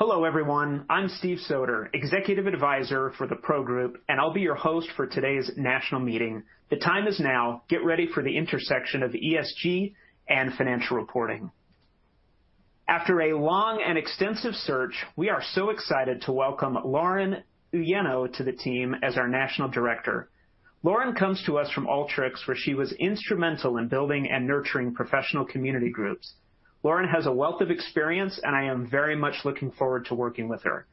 Hello, everyone. I'm Steve Soter, executive advisor for the Pro Group. I'll be your host for today's national meeting. The time is now. Get ready for the intersection of ESG and financial reporting. After a long and extensive search, we are so excited to welcome Lauren Uyeno to the team as our national director. Lauren comes to us from Alteryx, where she was instrumental in building and nurturing professional community groups. Lauren has a wealth of experience. I am very much looking forward to working with her.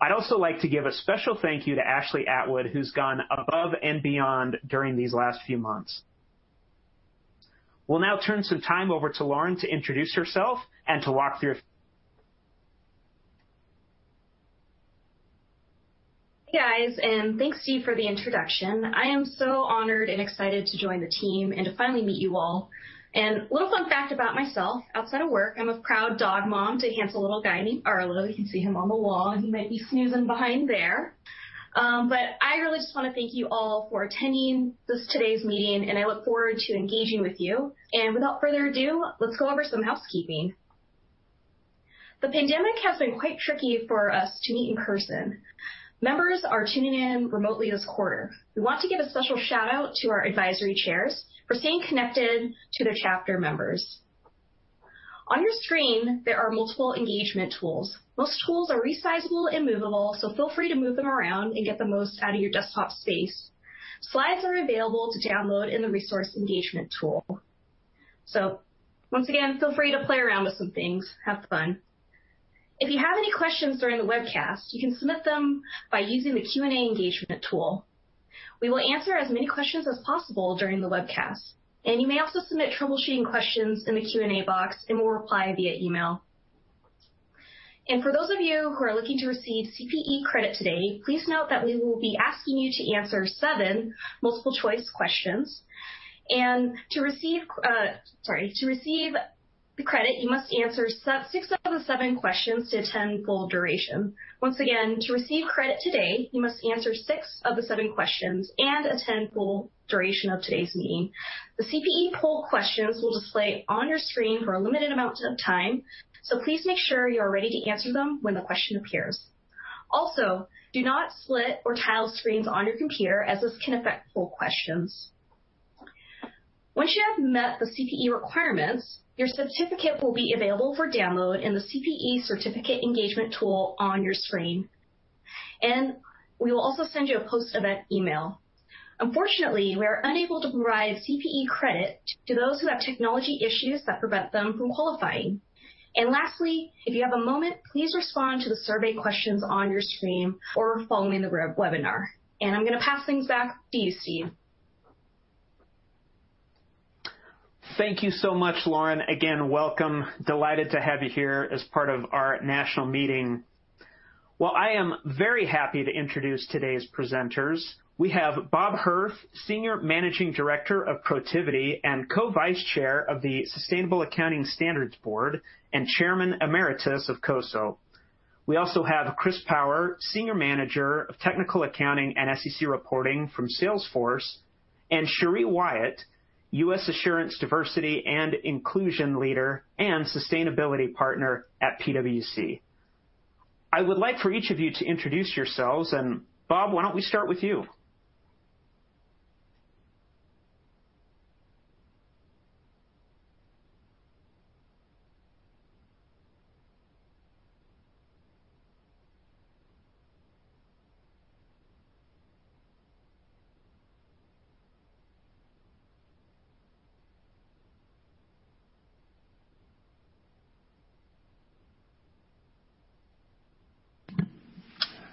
I'd also like to give a special thank you to Ashley Atwood, who's gone above and beyond during these last few months. We'll now turn some time over to Lauren to introduce herself and to walk through Hey, guys, thanks, Steve, for the introduction. I am so honored and excited to join the team and to finally meet you all. One fun fact about myself, outside of work, I'm a proud dog mom to a handsome little guy named Arlo. You can see him on the wall. He might be snoozing behind there. I really just want to thank you all for attending today's meeting, and I look forward to engaging with you. Without further ado, let's go over some housekeeping. The pandemic has been quite tricky for us to meet in person. Members are tuning in remotely this quarter. We want to give a special shout-out to our advisory chairs for staying connected to their chapter members. On your screen, there are multiple engagement tools. Most tools are resizable and movable, so feel free to move them around and get the most out of your desktop space. Slides are available to download in the resource engagement tool. Once again, feel free to play around with some things, have fun. If you have any questions during the webcast, you can submit them by using the Q&A engagement tool. We will answer as many questions as possible during the webcast. You may also submit troubleshooting questions in the Q&A box, and we'll reply via email. For those of you who are looking to receive CPE credit today, please note that we will be asking you to answer seven multiple-choice questions. To receive the credit, you must answer six out of the seven questions to attend full duration. Once again, to receive credit today, you must answer six of the seven questions and attend full duration of today's meeting. The CPE poll questions will display on your screen for a limited amount of time, so please make sure you're ready to answer them when the question appears. Also, do not split or tile screens on your computer, as this can affect poll questions. Once you have met the CPE requirements, your certificate will be available for download in the CPE certificate engagement tool on your screen, and we will also send you a post-event email. Unfortunately, we are unable to provide CPE credit to those who have technology issues that prevent them from qualifying. Lastly, if you have a moment, please respond to the survey questions on your screen or following the webinar. I'm going to pass things back to you, Steve. Thank you so much, Lauren. Again, welcome, delighted to have you here as part of our national meeting. Well, I am very happy to introduce today's presenters. We have Bob Hirth, Senior Managing Director of Protiviti and Co-Vice Chair of the Sustainability Accounting Standards Board and Chairman Emeritus of COSO. We also have Chris Powell, Senior Manager of Technical Accounting and SEC Reporting from Salesforce, and Sheri Wyatt, US Assurance Diversity and Inclusion Leader and Sustainability Partner at PwC. I would like for each of you to introduce yourselves, and Bob, why don't we start with you?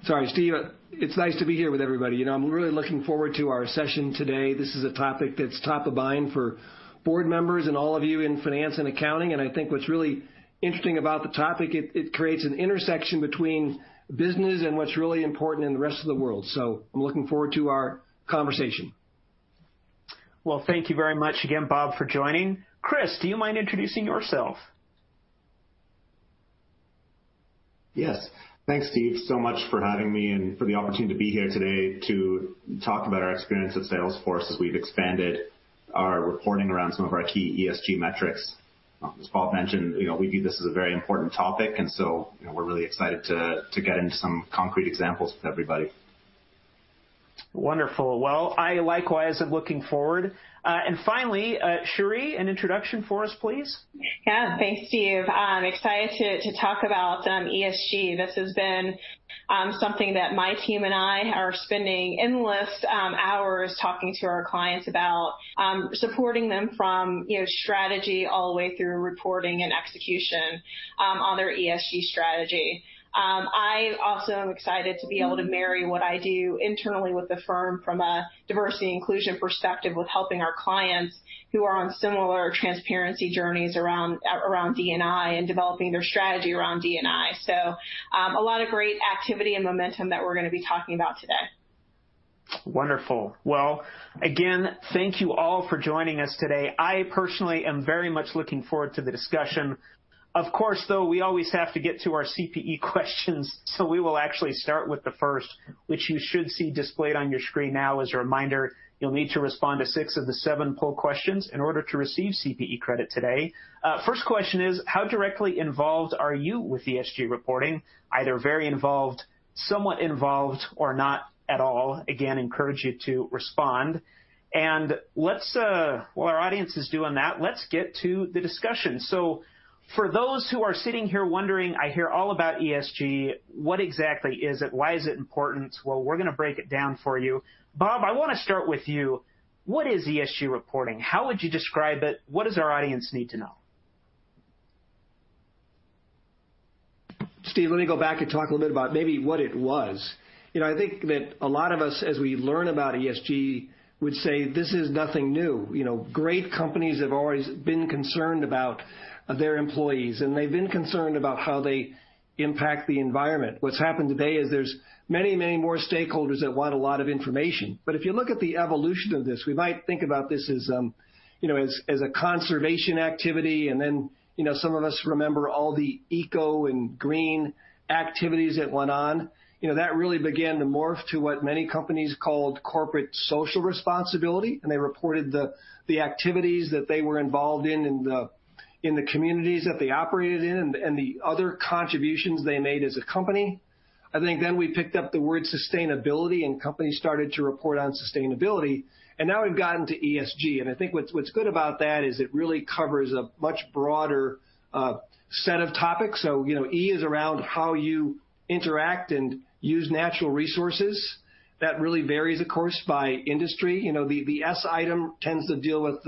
Sorry, Steve. It's nice to be here with everybody, and I'm really looking forward to our session today. This is a topic that's top of mind for board members and all of you in finance and accounting, and I think what's really interesting about the topic, it creates an intersection between business and what's really important in the rest of the world. I'm looking forward to our conversation. Well, thank you very much again, Bob, for joining. Chris, do you mind introducing yourself? Yes, thanks, Steve, so much for having me and for the opportunity to be here today to talk about our experience at Salesforce as we've expanded our reporting around some of our key ESG metrics. As Bob mentioned, we view this as a very important topic, and so we're really excited to get into some concrete examples with everybody. Wonderful, well, I likewise am looking forward. Finally, Sheri, an introduction for us, please. Yeah, thanks, Steve. I'm excited to talk about ESG, this has been something that my team and I are spending endless hours talking to our clients about, supporting them from strategy all the way through reporting and execution on their ESG strategy. I also am excited to be able to marry what I do internally with the firm from a diversity and inclusion perspective with helping our clients who are on similar transparency journeys around D&I and developing their strategy around D&I. A lot of great activity and momentum that we're going to be talking about today. Wonderful, again, thank you all for joining us today. I personally am very much looking forward to the discussion. Of course, though, we always have to get to our CPE questions. We will actually start with the first, which you should see displayed on your screen now. As a reminder, you'll need to respond to six of the seven poll questions in order to receive CPE credit today. First question is, how directly involved are you with ESG reporting? Either very involved, somewhat involved, or not at all. Again, encourage you to respond. While our audience is doing that, let's get to the discussion. For those who are sitting here wondering, I hear all about ESG, what exactly is it? Why is it important? We're going to break it down for you. Bob, I want to start with you. What is ESG reporting? How would you describe it? What does our audience need to know? Steve, let me go back and talk a little bit about maybe what it was. I think that a lot of us, as we learn about ESG, would say this is nothing new. Great companies have always been concerned about their employees, and they've been concerned about how they impact the environment. What's happened today is there's many, many more stakeholders that want a lot of information. If you look at the evolution of this, we might think about this as a conservation activity, and then some of us remember all the eco and green activities that went on. That really began to morph to what many companies called corporate social responsibility, and they reported the activities that they were involved in the communities that they operated in, and the other contributions they made as a company. I think then we picked up the word sustainability, and companies started to report on sustainability, and now we've gotten to ESG. I think what's good about that is it really covers a much broader set of topics. E is around how you interact and use natural resources. That really varies, of course, by industry. The S item tends to deal with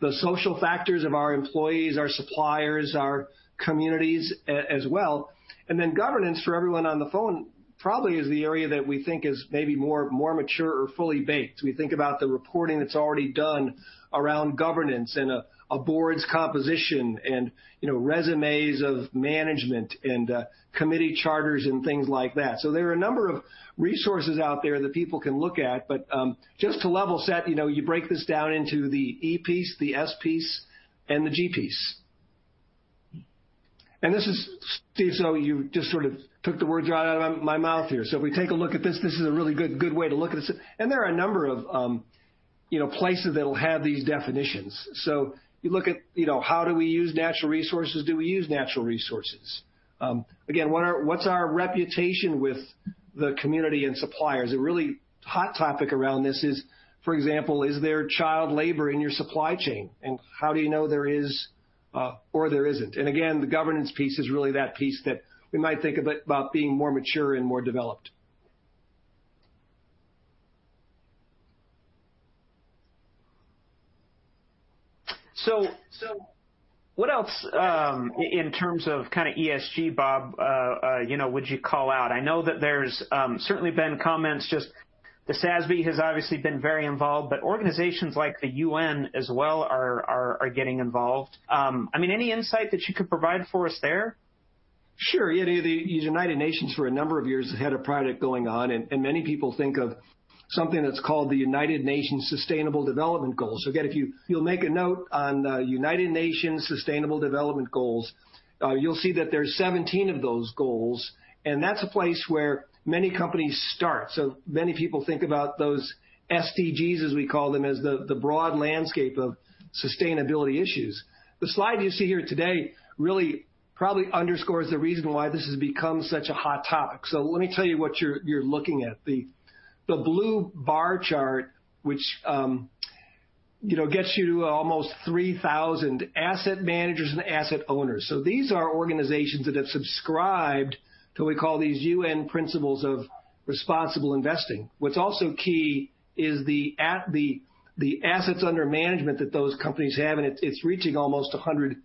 the social factors of our employees, our suppliers, our communities as well. Then governance for everyone on the phone probably is the area that we think is maybe more mature or fully baked. We think about the reporting that's already done around governance and a board's composition and resumes of management and committee charters and things like that. There are a number of resources out there that people can look at. Just to level set, you break this down into the E piece, the S piece, and the G piece. This is, Steve, so you just sort of took the words right out of my mouth here. We take a look at this; this is a really good way to look at it. There are a number of places that will have these definitions. You look at how do we use natural resources? Do we use natural resources? Again, what's our reputation with the community and suppliers? A really hot topic around this is, for example, is there child labor in your supply chain? How do you know there is or there isn't? Again, the governance piece is really that piece that we might think about being more mature and more developed. What else in terms of kind of ESG, Bob, would you call out? I know that there's certainly been comments, just the SASB has obviously been very involved, but organizations like the UN as well are getting involved. Any insight that you could provide for us there? Sure, the United Nations for a number of years had a project going on, and many people think of something that's called the United Nations Sustainable Development Goals. Again, if you'll make a note on United Nations Sustainable Development Goals, you'll see that there's 17 of those goals, and that's a place where many companies start. Many people think about those SDGs, as we call them, as the broad landscape of sustainability issues. The slide you see here today really probably underscores the reason why this has become such a hot topic. Let me tell you what you're looking at. The blue bar chart, which gets you to almost 3,000 asset managers and asset owners. These are organizations that have subscribed to what we call these UN Principles of Responsible Investing. What's also key is the assets under management that those companies have, it's reaching almost $100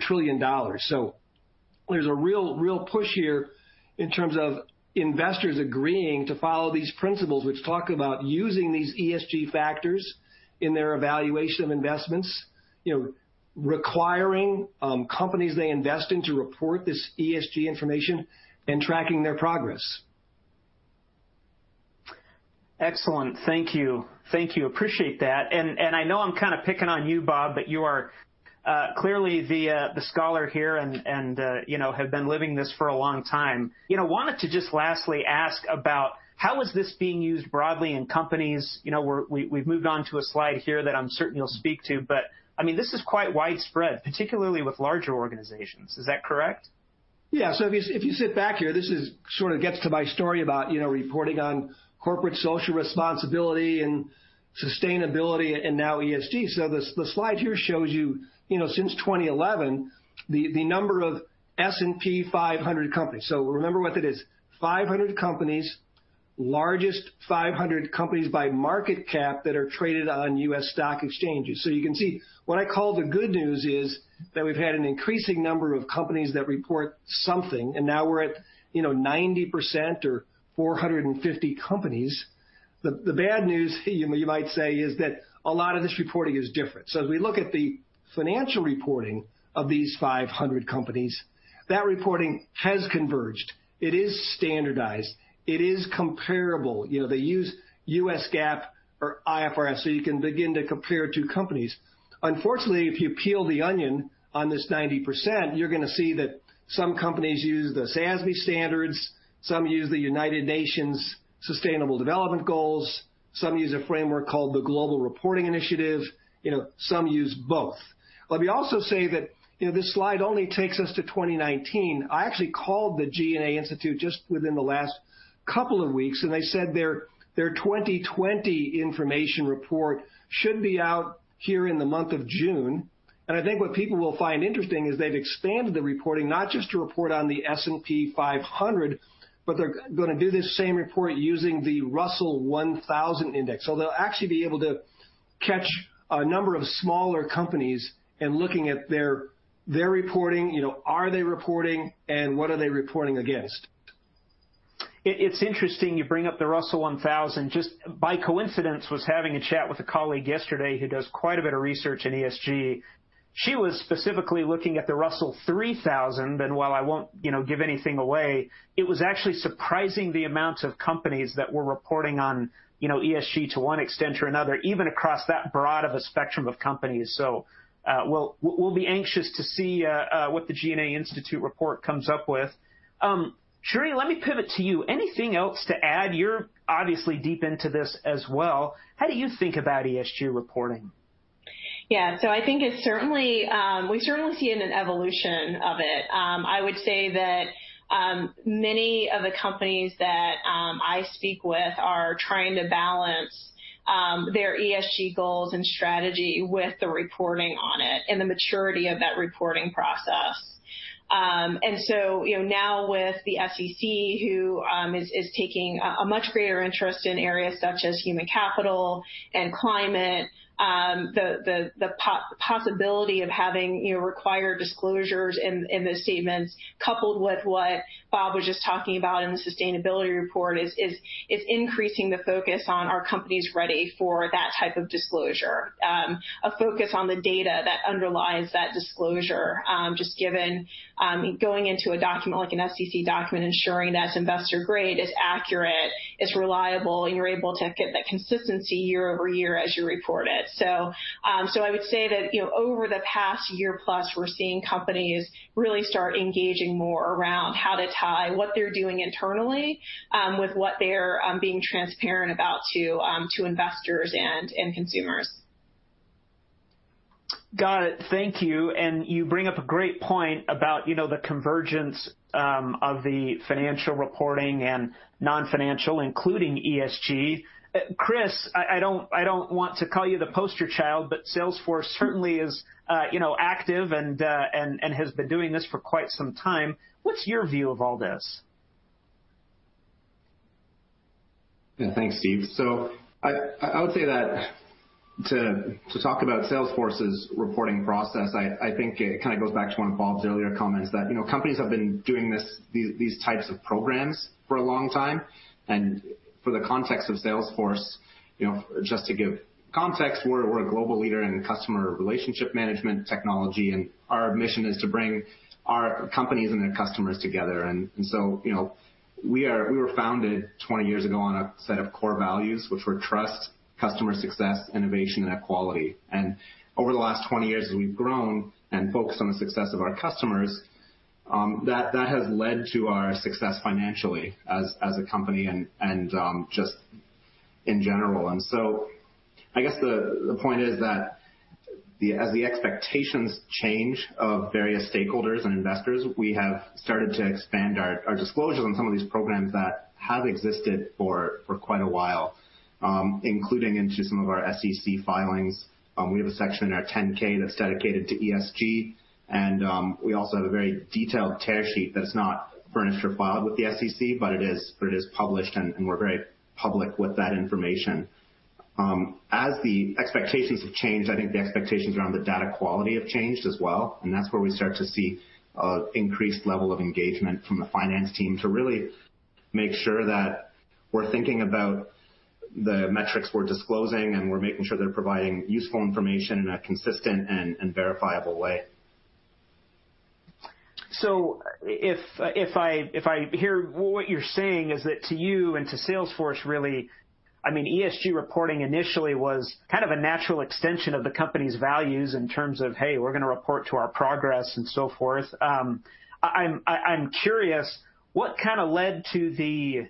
trillion. There's a real push here in terms of investors agreeing to follow these Principles for Responsible Investment, which talk about using these ESG factors in their evaluation of investments, requiring companies they invest in to report this ESG information, and tracking their progress. Excellent, thank you. Appreciate that. I know I'm kind of picking on you, Bob, but you are clearly the scholar here and have been living this for a long time. Wanted to just lastly ask about how is this being used broadly in companies? We've moved on to a slide here that I'm certain you'll speak to, but this is quite widespread, particularly with larger organizations. Is that correct? Yeah, if you sit back here, this sort of gets to my story about reporting on corporate social responsibility and sustainability and now ESG. The slide here shows you, since 2011, the number of S&P 500 companies. Remember what that is, 500 companies, largest 500 companies by market cap that are traded on U.S. stock exchanges. You can see what I call the good news is that we've had an increasing number of companies that report something, and now we're at 90% or 450 companies. The bad news, you might say, is that a lot of this reporting is different. If we look at the financial reporting of these 500 companies, that reporting has converged. It is standardized. It is comparable. They use U.S. GAAP or IFRS, so you can begin to compare two companies. Unfortunately, if you peel the onion on this 90%, you're going to see that some companies use the SASB standards, some use the United Nations Sustainable Development Goals, some use a framework called the Global Reporting Initiative, some use both. Let me also say that this slide only takes us to 2019. I actually called the G&A Institute just within the last couple of weeks, and they said their 2020 information report should be out here in the month of June. I think what people will find interesting is they've expanded the reporting, not just to report on the S&P 500, but they're going to do the same report using the Russell 1000 Index. They'll actually be able to catch a number of smaller companies and looking at their reporting, are they reporting, and what are they reporting against? It's interesting you bring up the Russell 1000. Just by coincidence, was having a chat with a colleague yesterday who does quite a bit of research in ESG. She was specifically looking at the Russell 3000, and while I won't give anything away, it was actually surprising the amount of companies that were reporting on ESG to one extent or another, even across that broad of a spectrum of companies. We'll be anxious to see what the G&A Institute report comes up with. Sheri, let me pivot to you. Anything else to add? You're obviously deep into this as well. How do you think about ESG reporting? Yeah, I think we certainly see an evolution of it. I would say that many of the companies that I speak with are trying to balance their ESG goals and strategy with the reporting on it and the maturity of that reporting process. Now with the SEC, who is taking a much greater interest in areas such as human capital and climate, the possibility of having required disclosures in the statements coupled with what Bob was just talking about in the sustainability report is increasing the focus on are companies ready for that type of disclosure? A focus on the data that underlies that disclosure, just given going into a document like an SEC document, ensuring that's investor-grade, it's accurate, it's reliable, and you're able to get that consistency year-over-year as you report it. I would say that over the past year plus, we're seeing companies really start engaging more around how to tie what they're doing internally with what they are being transparent about to investors and consumers. Got it, thank you. You bring up a great point about the convergence of the financial reporting and non-financial, including ESG. Chris, I don't want to call you the poster child, but Salesforce certainly is active and has been doing this for quite some time. What's your view of all this? Yeah, thanks, Steve. I would say that to talk about Salesforce's reporting process, I think it kind of goes back to one of Bob's earlier comments, that companies have been doing these types of programs for a long time, and for the context of Salesforce, just to give context, we're a global leader in customer relationship management technology, and our mission is to bring our companies and their customers together. We were founded 20 years ago on a set of core values, which were trust, customer success, innovation, and quality. Over the last 20 years, we've grown and focused on the success of our customers. That has led to our success financially as a company and just in general. I guess the point is that as the expectations change of various stakeholders and investors, we have started to expand our disclosure on some of these programs that have existed for quite a while, including into some of our SEC filings. We have a section in our 10-K that's dedicated to ESG, and we also have a very detailed tear sheet that's not furnished or filed with the SEC, but it is published, and we're very public with that information. As the expectations have changed, I think the expectations around the data quality have changed as well, and that's where we start to see increased level of engagement from the finance team to really make sure that we're thinking about the metrics we're disclosing, and we're making sure they're providing useful information in a consistent and verifiable way. If I hear what you're saying, is that to you and to Salesforce, really, ESG reporting initially was kind of a natural extension of the company's values in terms of, hey, we're going to report to our progress and so forth. I'm curious what led to the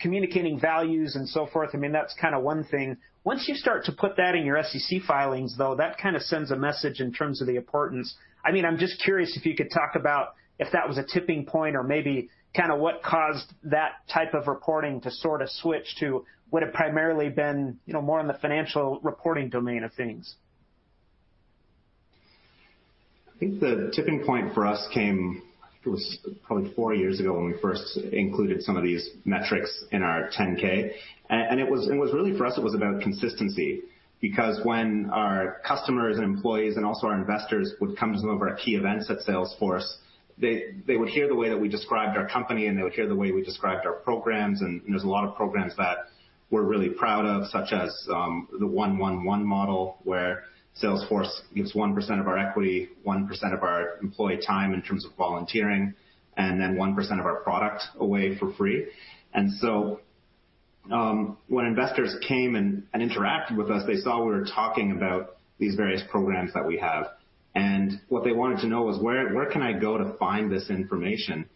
communicating values and so forth, that's one thing. Once you start to put that in your SEC filings, though, that sends a message in terms of the importance. I'm just curious if you could talk about if that was a tipping point or maybe what caused that type of reporting to sort of switch to what had primarily been more in the financial reporting domain of things? I think the tipping point for us came; it was probably four years ago when we first included some of these metrics in our 10-K. It was really, for us, it was about consistency because when our customers, employees, and also our investors would come to some of our key events at Salesforce, they would hear the way that we described our company, and they would hear the way we described our programs. There's a lot of programs that we're really proud of, such as the 1-1-1 model, where Salesforce gives 1% of our equity, 1% of our employee time in terms of volunteering, and then 1% of our product away for free. When investors came and interacted with us, they saw we were talking about these various programs that we have. What they wanted to know was, where can I go to find this information?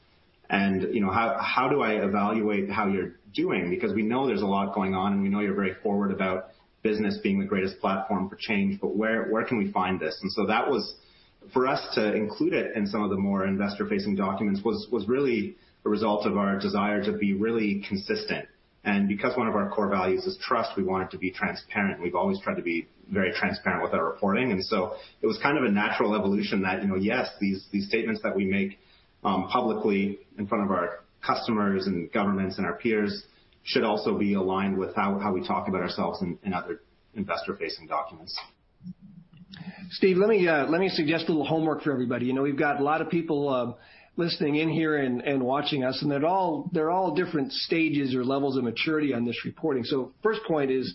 How do I evaluate how you're doing? Because we know there's a lot going on, and we know you're very forward about business being the greatest platform for change, but where can we find this? That was for us to include it in some of the more investor-facing documents was really a result of our desire to be really consistent. Because one of our core values is trust, we wanted to be transparent. We've always tried to be very transparent with our reporting. It was kind of a natural evolution that, yes, these statements that we make publicly in front of our customers and governments, and our peers should also be aligned with how we talk about ourselves in other investor-facing documents. Steve, let me suggest a little homework for everybody. We've got a lot of people listening in here and watching us, and they're all different stages or levels of maturity on this reporting. The first point is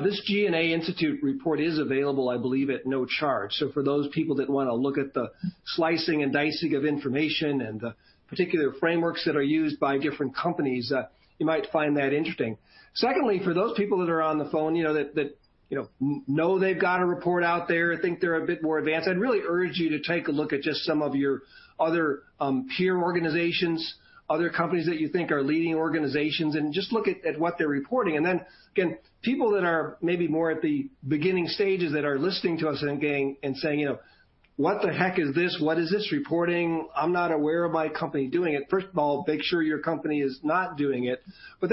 this G&A Institute report is available, I believe, at no charge. For those people that want to look at the slicing and dicing of information and the particular frameworks that are used by different companies, you might find that interesting. Secondly, for those people that are on the phone that know they've got a report out there and think they're a bit more advanced, I'd really urge you to take a look at just some of your other peer organizations, other companies that you think are leading organizations, and just look at what they're reporting. People that are maybe more at the beginning stages that are listening to us and saying, "What the heck is this? What is this reporting? I'm not aware of my company doing it." First of all, make sure your company is not doing it. Do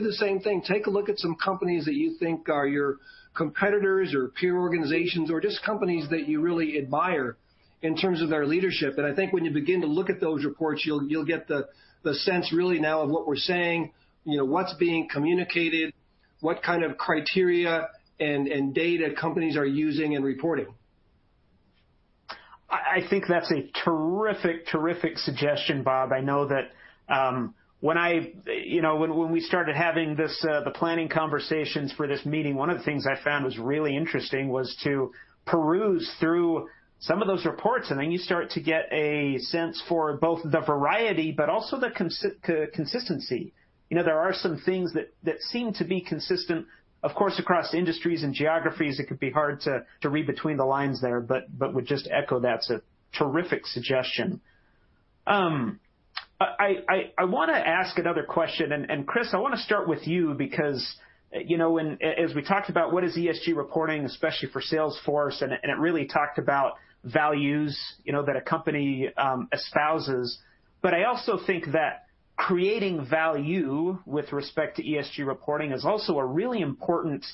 the same thing, take a look at some companies that you think are your competitors or peer organizations or just companies that you really admire in terms of their leadership. I think when you begin to look at those reports, you'll get the sense really now of what we're saying, what's being communicated, what kind of criteria and data companies are using and reporting. I think that's a terrific suggestion, Bob. I know that when we started having the planning conversations for this meeting, one of the things I found was really interesting was to peruse through some of those reports, and then you start to get a sense for both the variety but also the consistency. There are some things that seem to be consistent. Of course, across industries and geographies, it could be hard to read between the lines there, but would just echo that's a terrific suggestion. I want to ask another question. Chris, I want to start with you because, as we talked about what is ESG reporting, especially for Salesforce, it really talked about values that a company espouses. I also think that creating value with respect to ESG reporting is also a really important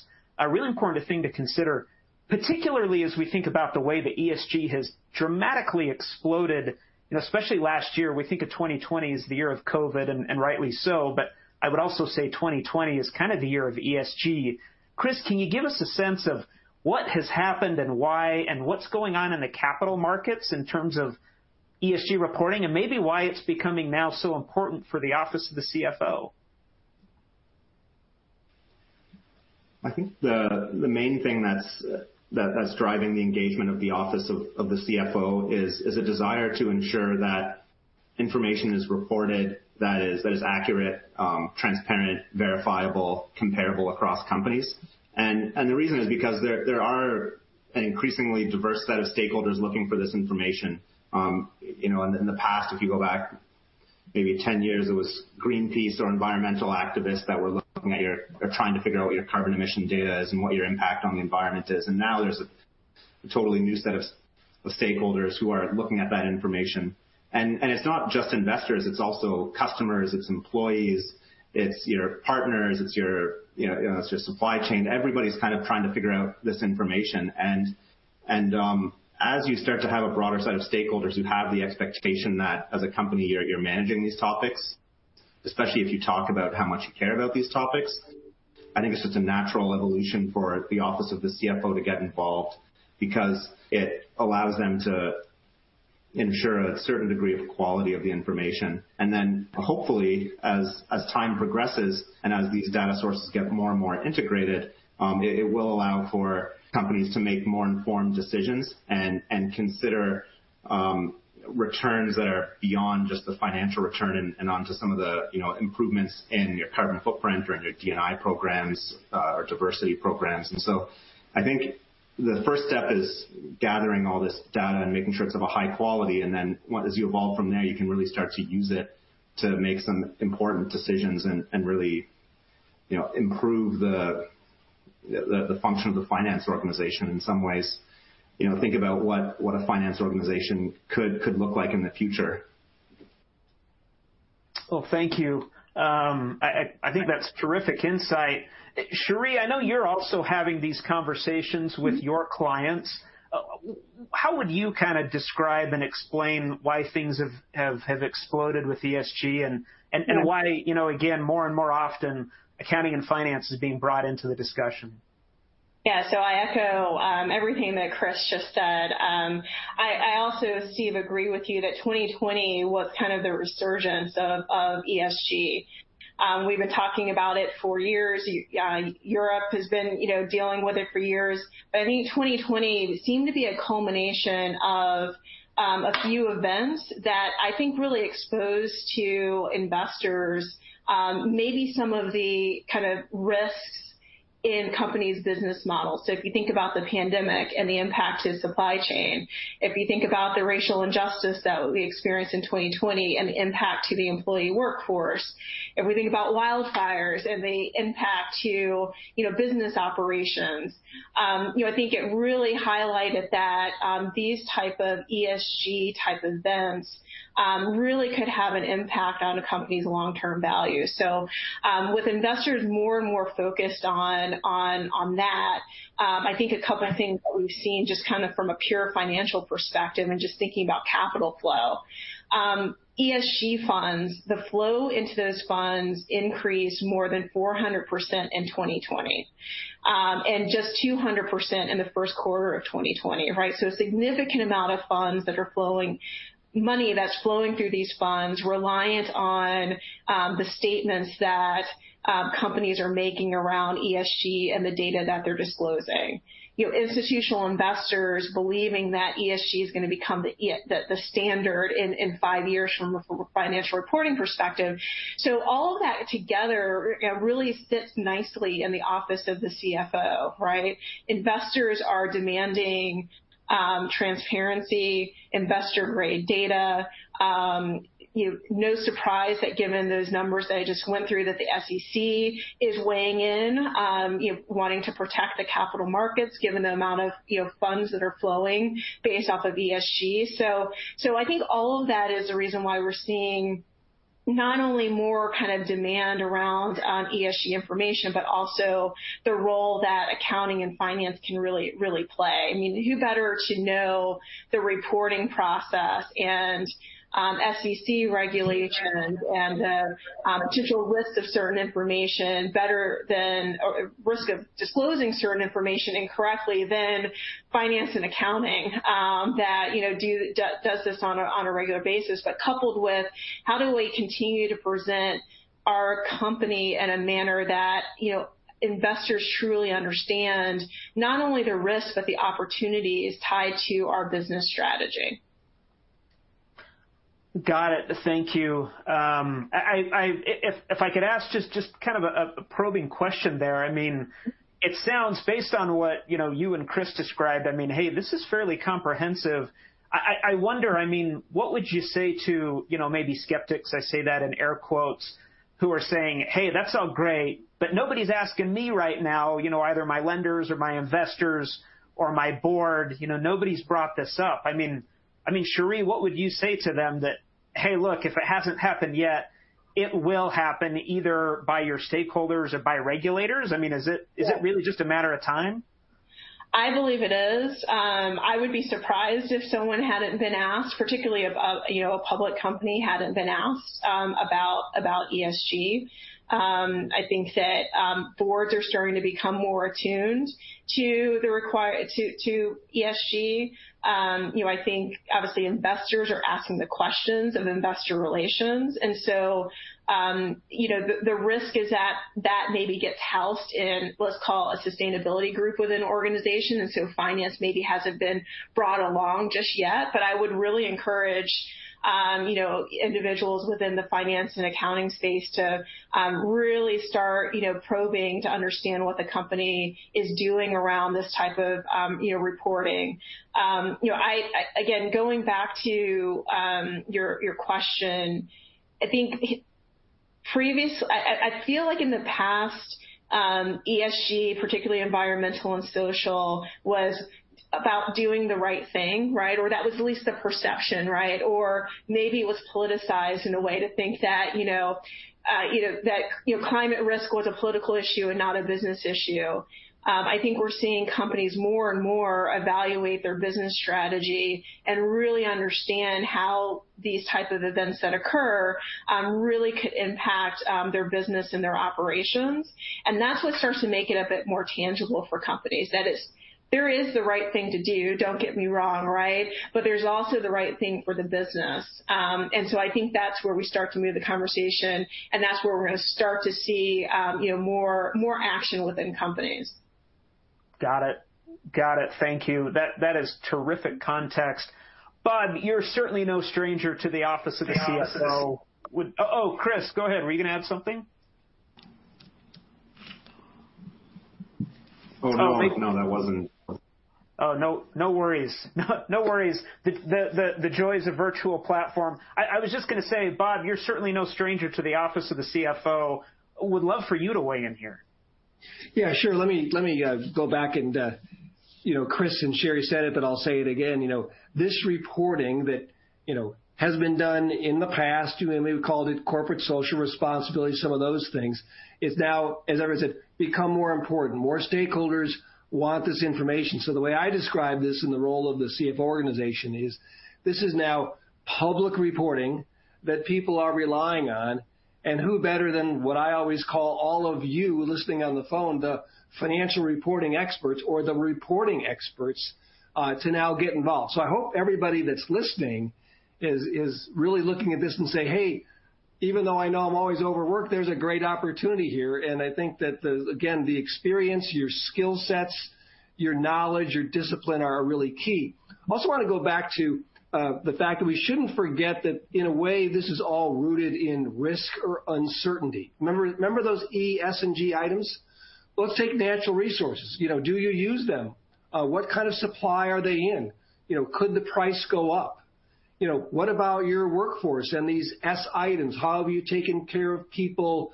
thing to consider, particularly as we think about the way that ESG has dramatically exploded, and especially last year. We think of 2020 as the year of COVID, and rightly so. I would also say 2020 is kind of the year of ESG. Chris, can you give us a sense of what has happened and why, and what's going on in the capital markets in terms of ESG reporting, and maybe why it's becoming now so important for the office of the CFO? I think the main thing that's driving the engagement of the office of the CFO is a desire to ensure that information is reported that is accurate, transparent, verifiable, comparable across companies. The reason is because there are an increasingly diverse set of stakeholders looking for this information. In the past, if you go back maybe 10 years, it was Greenpeace or environmental activists. They're trying to figure out what your carbon emission data is and what your impact on the environment is. Now there's a totally new set of stakeholders who are looking at that information. It's not just investors, it's also customers, it's employees, it's your partners, it's your supply chain. Everybody's kind of trying to figure out this information. As you start to have a broader set of stakeholders who have the expectation that as a company, you're managing these topics, especially if you talk about how much you care about these topics, I think it's just a natural evolution for the office of the CFO to get involved because it allows them to ensure a certain degree of quality of the information. Then hopefully, as time progresses and as these data sources get more and more integrated, it will allow for companies to make more informed decisions and consider returns that are beyond just the financial return and onto some of the improvements in your carbon footprint or in your D&I programs or diversity programs. I think the first step is gathering all this data and making sure it's of a high quality. As you evolve from there, you can really start to use it to make some important decisions and really improve the function of the finance organization in some ways. Think about what a finance organization could look like in the future. Well, thank you. I think that's terrific insight. Sheri, I know you're also having these conversations with your clients. How would you kind of describe and explain why things have exploded with ESG and why, again, more and more often, accounting and finance is being brought into the discussion? Yeah, I echo everything that Chris just said. I also, Steve, agree with you that 2020 was kind of the resurgence of ESG. We've been talking about it for years. Europe has been dealing with it for years. I think 2020 seemed to be a culmination of a few events that I think really exposed to investors maybe some of the kind of risks in companies' business models. If you think about the pandemic and the impact to the supply chain, if you think about the racial injustice that we experienced in 2020 and the impact to the employee workforce, if we think about wildfires and the impact to business operations, I think it really highlighted that these type of ESG type events really could have an impact on a company's long-term value. With investors more and more focused on that, I think a couple of things that we've seen just kind of from a pure financial perspective and just thinking about capital flow. ESG funds, the flow into those funds increased more than 400% in 2020, and just 200% in the first quarter of 2020, right? A significant amount of money that's flowing through these funds reliant on the statements that companies are making around ESG and the data that they're disclosing. Institutional investors believing that ESG is going to become the standard in five years from a financial reporting perspective. All of that together really sits nicely in the office of the CFO, right? Investors are demanding transparency, investor-grade data. No surprise that given those numbers I just went through, that the SEC is weighing in, wanting to protect the capital markets, given the amount of funds that are flowing based off of ESG. I think all of that is the reason why we're seeing not only more kind of demand around ESG information, but also the role that accounting and finance can really play. Who better to know the reporting process and SEC regulations and the potential risk of disclosing certain information incorrectly than finance and accounting that does this on a regular basis? Coupled with how do we continue to present our company in a manner that investors truly understand not only the risk, but the opportunities tied to our business strategy. Got it, thank you. If I could ask just kind of a probing question there. It sounds based on what you and Chris described, this is fairly comprehensive. I wonder, what would you say to maybe skeptics, I say that in air quotes, who are saying, "Hey, that's all great, but nobody's asking me right now, either my lenders or my investors or my board, nobody's brought this up." Sheri, what would you say to them that, "Hey, look, if it hasn't happened yet, it will happen either by your stakeholders or by regulators?" Is it really just a matter of time? I believe it is, I would be surprised if someone hadn't been asked, particularly if a public company hadn't been asked about ESG. I think that boards are starting to become more attuned to ESG. I think obviously investors are asking the questions and investor relations, the risk is that that maybe gets housed in, let's call a sustainability group within an organization. Finance maybe hasn't been brought along just yet, but I would really encourage individuals within the finance and accounting space to really start probing to understand what the company is doing around this type of reporting. Again, going back to your question, I feel like in the past ESG, particularly environmental and social, was about doing the right thing, right? That was at least the perception, right? Maybe it was politicized in a way to think that your climate risk was a political issue and not a business issue. I think we're seeing companies more and more evaluate their business strategy and really understand how these type of events that occur really could impact their business and their operations, and that's what starts to make it a bit more tangible for companies. That is, there is the right thing to do, don't get me wrong, right? There's also the right thing for the business. I think that's where we start to move the conversation, and that's where we're going to start to see more action within companies. Got it, thank you. That is terrific context. Bob, you're certainly no stranger to the office of the CFO. Oh, Chris, go ahead. Were you going to add something? Oh, no. Oh, no worries. The joys of virtual platform, I was just going to say, Bob, you're certainly no stranger to the office of the CFO. Would love for you to weigh in here. Yeah, sure. Let me go back and, Chris and Sheri said it, but I'll say it again. This reporting that has been done in the past, we've called it corporate social responsibility, some of those things, is now, as I said, become more important. More stakeholders want this information. The way I describe this in the role of the CFO organization is, this is now public reporting that people are relying on, and who better than what I always call all of you listening on the phone, the financial reporting experts or the reporting experts, to now get involved. I hope everybody that's listening is really looking at this and say, "Hey, even though I know I'm always overworked, there's a great opportunity here." I think that, again, the experience, your skill sets, your knowledge, your discipline are really key. I also want to go back to the fact that we shouldn't forget that in a way, this is all rooted in risk or uncertainty. Remember those E, S, and G items? Let's take natural resources. Do you use them? What kind of supply are they in? Could the price go up? What about your workforce and these S items? How have you taken care of people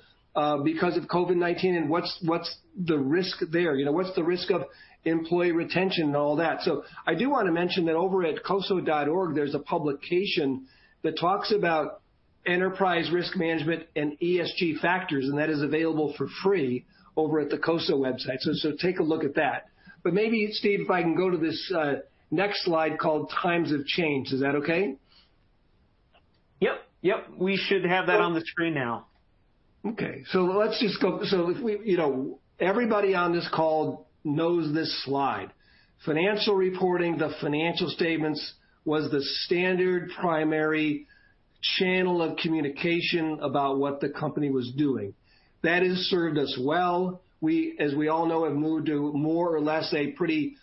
because of COVID-19, and what's the risk there? What's the risk of employee retention and all that? I do want to mention that over at COSO.org, there's a publication that talks about enterprise risk management and ESG factors, and that is available for free over at the COSO website. Take a look at that. Maybe, Steve, if I can go to this next slide called Times of Change, is that okay? Yep, we should have that on the screen now. Okay, let's just go. Everybody on this call knows this slide. Financial reporting, the financial statements was the standard primary channel of communication about what the company was doing. That has served us well. As we all know, it moved to more or less a pretty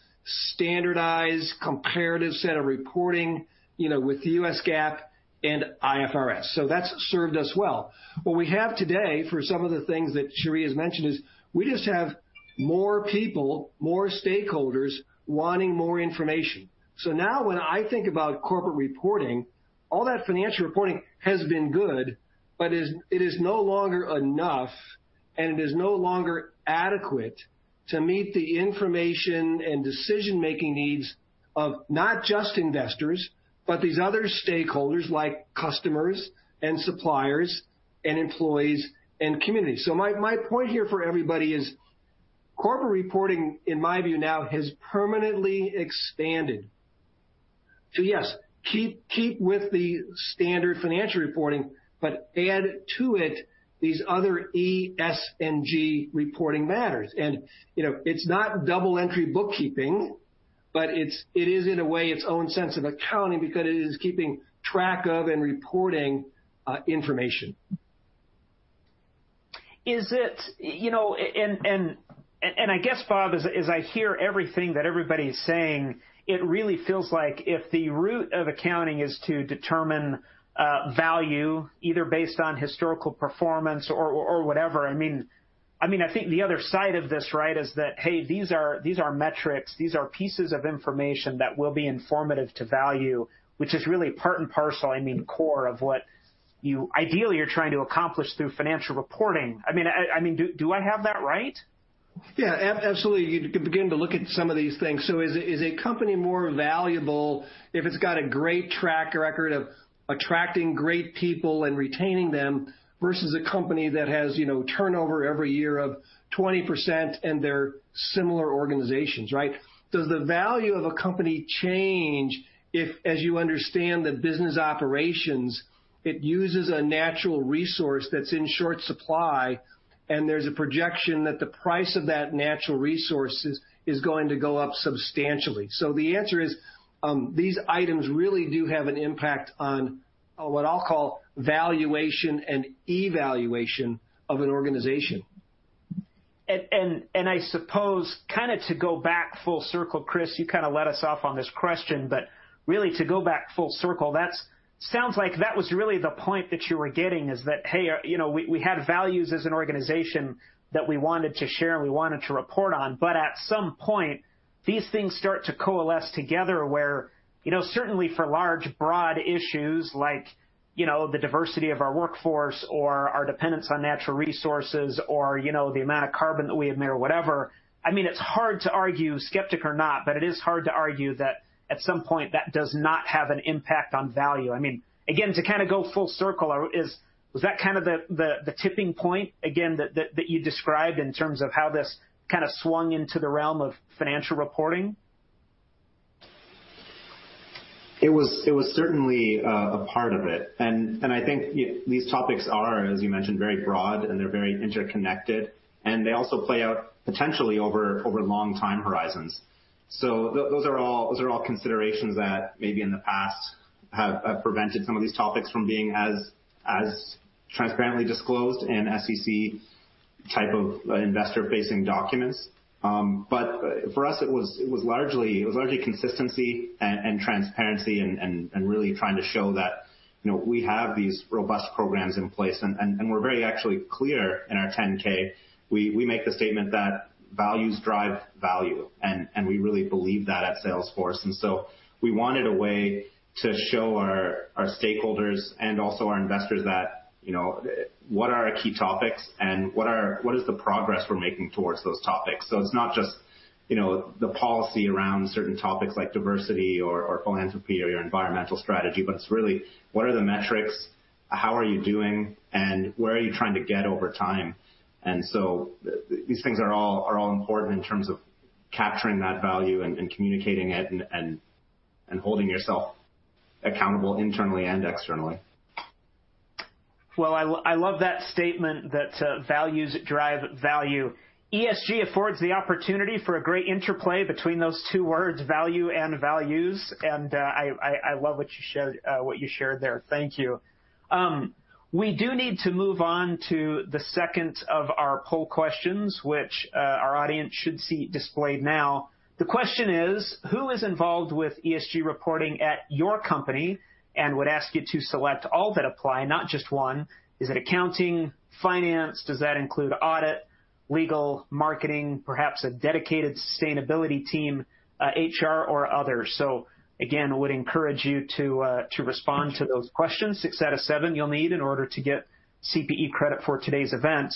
standardized comparative set of reporting, with the U.S. GAAP and IFRS. That's served us well. What we have today for some of the things that Sheri has mentioned is we just have more people, more stakeholders wanting more information. Now when I think about corporate reporting, all that financial reporting has been good, but it is no longer enough and it is no longer adequate to meet the information and decision-making needs of not just investors, but these other stakeholders like customers and suppliers and employees and communities. My point here for everybody is corporate reporting, in my view, now has permanently expanded. Yes, keep with the standard financial reporting, but add to it these other E, S, and G reporting matters. It's not double-entry bookkeeping, but it is in a way its own sense of accounting because it is keeping track of and reporting information. I guess, Bob, as I hear everything that everybody's saying, it really feels like if the root of accounting is to determine value, either based on historical performance or whatever, I think the other side of this is that, hey, these are metrics. These are pieces of information that will be informative to value, which is really part and parcel, core of what ideally, you're trying to accomplish through financial reporting. Do I have that right? Yeah, absolutely, to begin to look at some of these things. Is a company more valuable if it's got a great track record of attracting great people and retaining them versus a company that has turnover every year of 20% and they're similar organizations, right? Does the value of a company change if, as you understand the business operations, it uses a natural resource that's in short supply, and there's a projection that the price of that natural resource is going to go up substantially? The answer is, these items really do have an impact on what I'll call valuation and evaluation of an organization. I suppose to go back full circle, Chris, you kind of led us off on this question, but really to go back full circle, sounds like that was really the point that you were getting is that, hey, we had values as an organization that we wanted to share and we wanted to report on. At some point, these things start to coalesce together where, certainly for large broad issues like the diversity of our workforce or our dependence on natural resources or the amount of carbon that we emit or whatever. It's hard to argue, skeptic or not, but it is hard to argue that at some point that does not have an impact on value. Again, to go full circle, was that the tipping point again that you described in terms of how this swung into the realm of financial reporting? It was certainly a part of it. I think these topics are, as you mentioned, very broad and they're very interconnected, and they also play out potentially over long time horizons. Those are all considerations that maybe in the past have prevented some of these topics from being as transparently disclosed in SEC type of investor-facing documents. For us, it was largely consistency and transparency and really trying to show that we have these robust programs in place, and we're very actually clear in our 10-K. We make a statement that values drive value, and we really believe that at Salesforce. We wanted a way to show our stakeholders and also our investors that what are our key topics and what is the progress we're making towards those topics? It's not just the policy around certain topics like diversity or philanthropy or environmental strategy, but it's really what are the metrics? How are you doing, and where are you trying to get over time? These things are all important in terms of capturing that value and communicating it and holding yourself accountable internally and externally. Well, I love that statement that values drive value. ESG affords the opportunity for a great interplay between those two words, value and values, and I love what you shared there, thank you. We do need to move on to the second of our poll questions, which our audience should see displayed now. The question is: who is involved with ESG reporting at your company? Would ask you to select all that apply, not just one. Is it accounting, finance? Does that include audit, legal, marketing, perhaps a dedicated sustainability team, HR, or others? Again, I would encourage you to respond to those questions. Six out of seven you'll need in order to get CPE credit for today's event.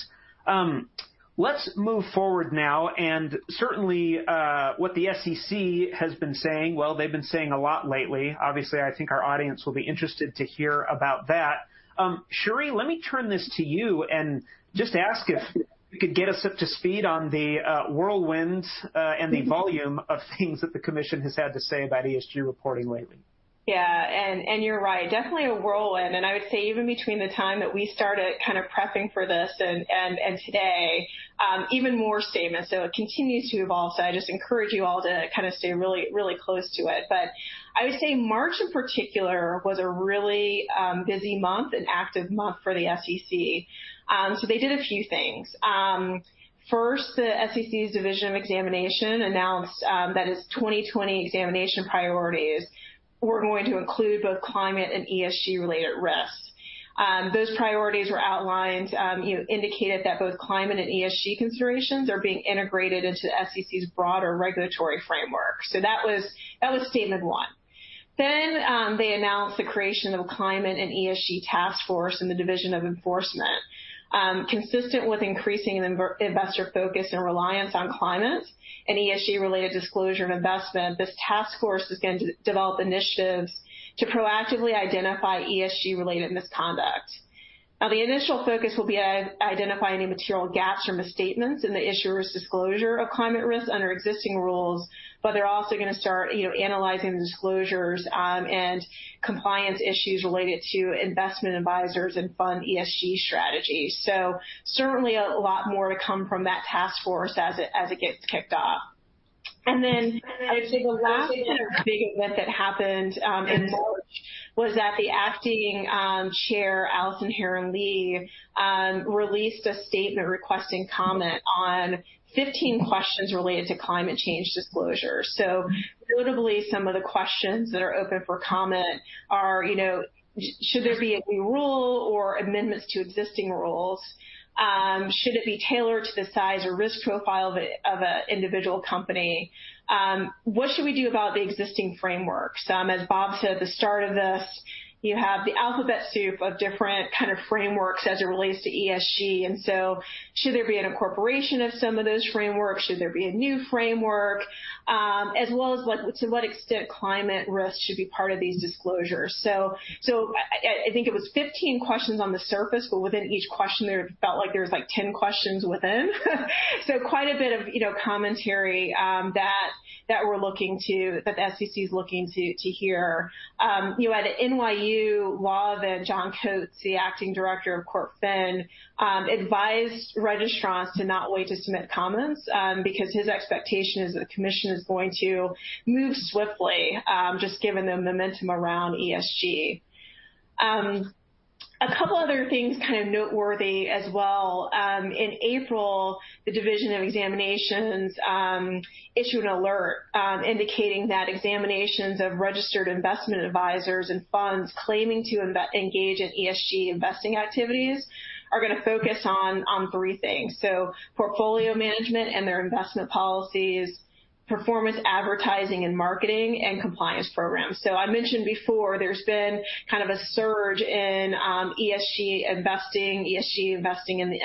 Let's move forward now and certainly, what the SEC has been saying. Well, they've been saying a lot lately. Obviously, I think our audience will be interested to hear about that. Sheri, let me turn this to you and just ask if you could get us up to speed on the whirlwind and the volume of things that the Commission has had to say about ESG reporting lately. Yeah, you're right, definitely a whirlwind. I'd say even between the time that we started kind of prepping for this and today, even more statements. It continues to evolve, so I just encourage you all to kind of stay really close to it. I'd say March in particular was a really busy month and active month for the SEC. They did a few things, first, the SEC's Division of Examinations announced that its 2020 examination priorities were going to include both climate and ESG-related risks. Those priorities were outlined, indicated that both climate and ESG considerations are being integrated into SEC's broader regulatory framework, that was statement one. They announced the creation of a climate and ESG task force in the Division of Enforcement. Consistent with increasing investor focus and reliance on climate and ESG-related disclosure and investment, this task force is going to develop initiatives to proactively identify ESG-related misconduct. The initial focus will be on identifying any material gaps or misstatements in the issuer's disclosure of climate risk under existing rules. They're also going to start analyzing disclosures and compliance issues related to investment advisors and fund ESG strategies. Certainly, a lot more to come from that task force as it gets kicked off. I think the last significant event that happened in March was that the Acting Chair, Allison Herren Lee, released a statement requesting comment on 15 questions related to climate change disclosure. Literally, some of the questions that are open for comment are, should there be a new rule or amendments to existing rules? Should it be tailored to the size or risk profile of an individual company? What should we do about the existing frameworks? As Bob said at the start of this, you have the alphabet soup of different kind of frameworks as it relates to ESG. Should there be an incorporation of some of those frameworks? Should there be a new framework? As well as to what extent climate risk should be part of these disclosures. I think it was 15 questions on the surface, but within each question, there felt like there's 10 questions within. Quite a bit of commentary that the SEC is looking to hear. At NYU Law Event, John Coates, the acting director of Corp Fin, advised registrants to not wait to submit comments because his expectation is the commission is going to move swiftly, just given the momentum around ESG. A couple other things kind of noteworthy as well. In April, the Division of Examinations issued an alert indicating that examinations of registered investment advisors and funds claiming to engage in ESG investing activities are going to focus on three things. Portfolio management and their investment policies, performance advertising and marketing, and compliance programs. I mentioned before, there's been kind of a surge in ESG investing, ESG investing in this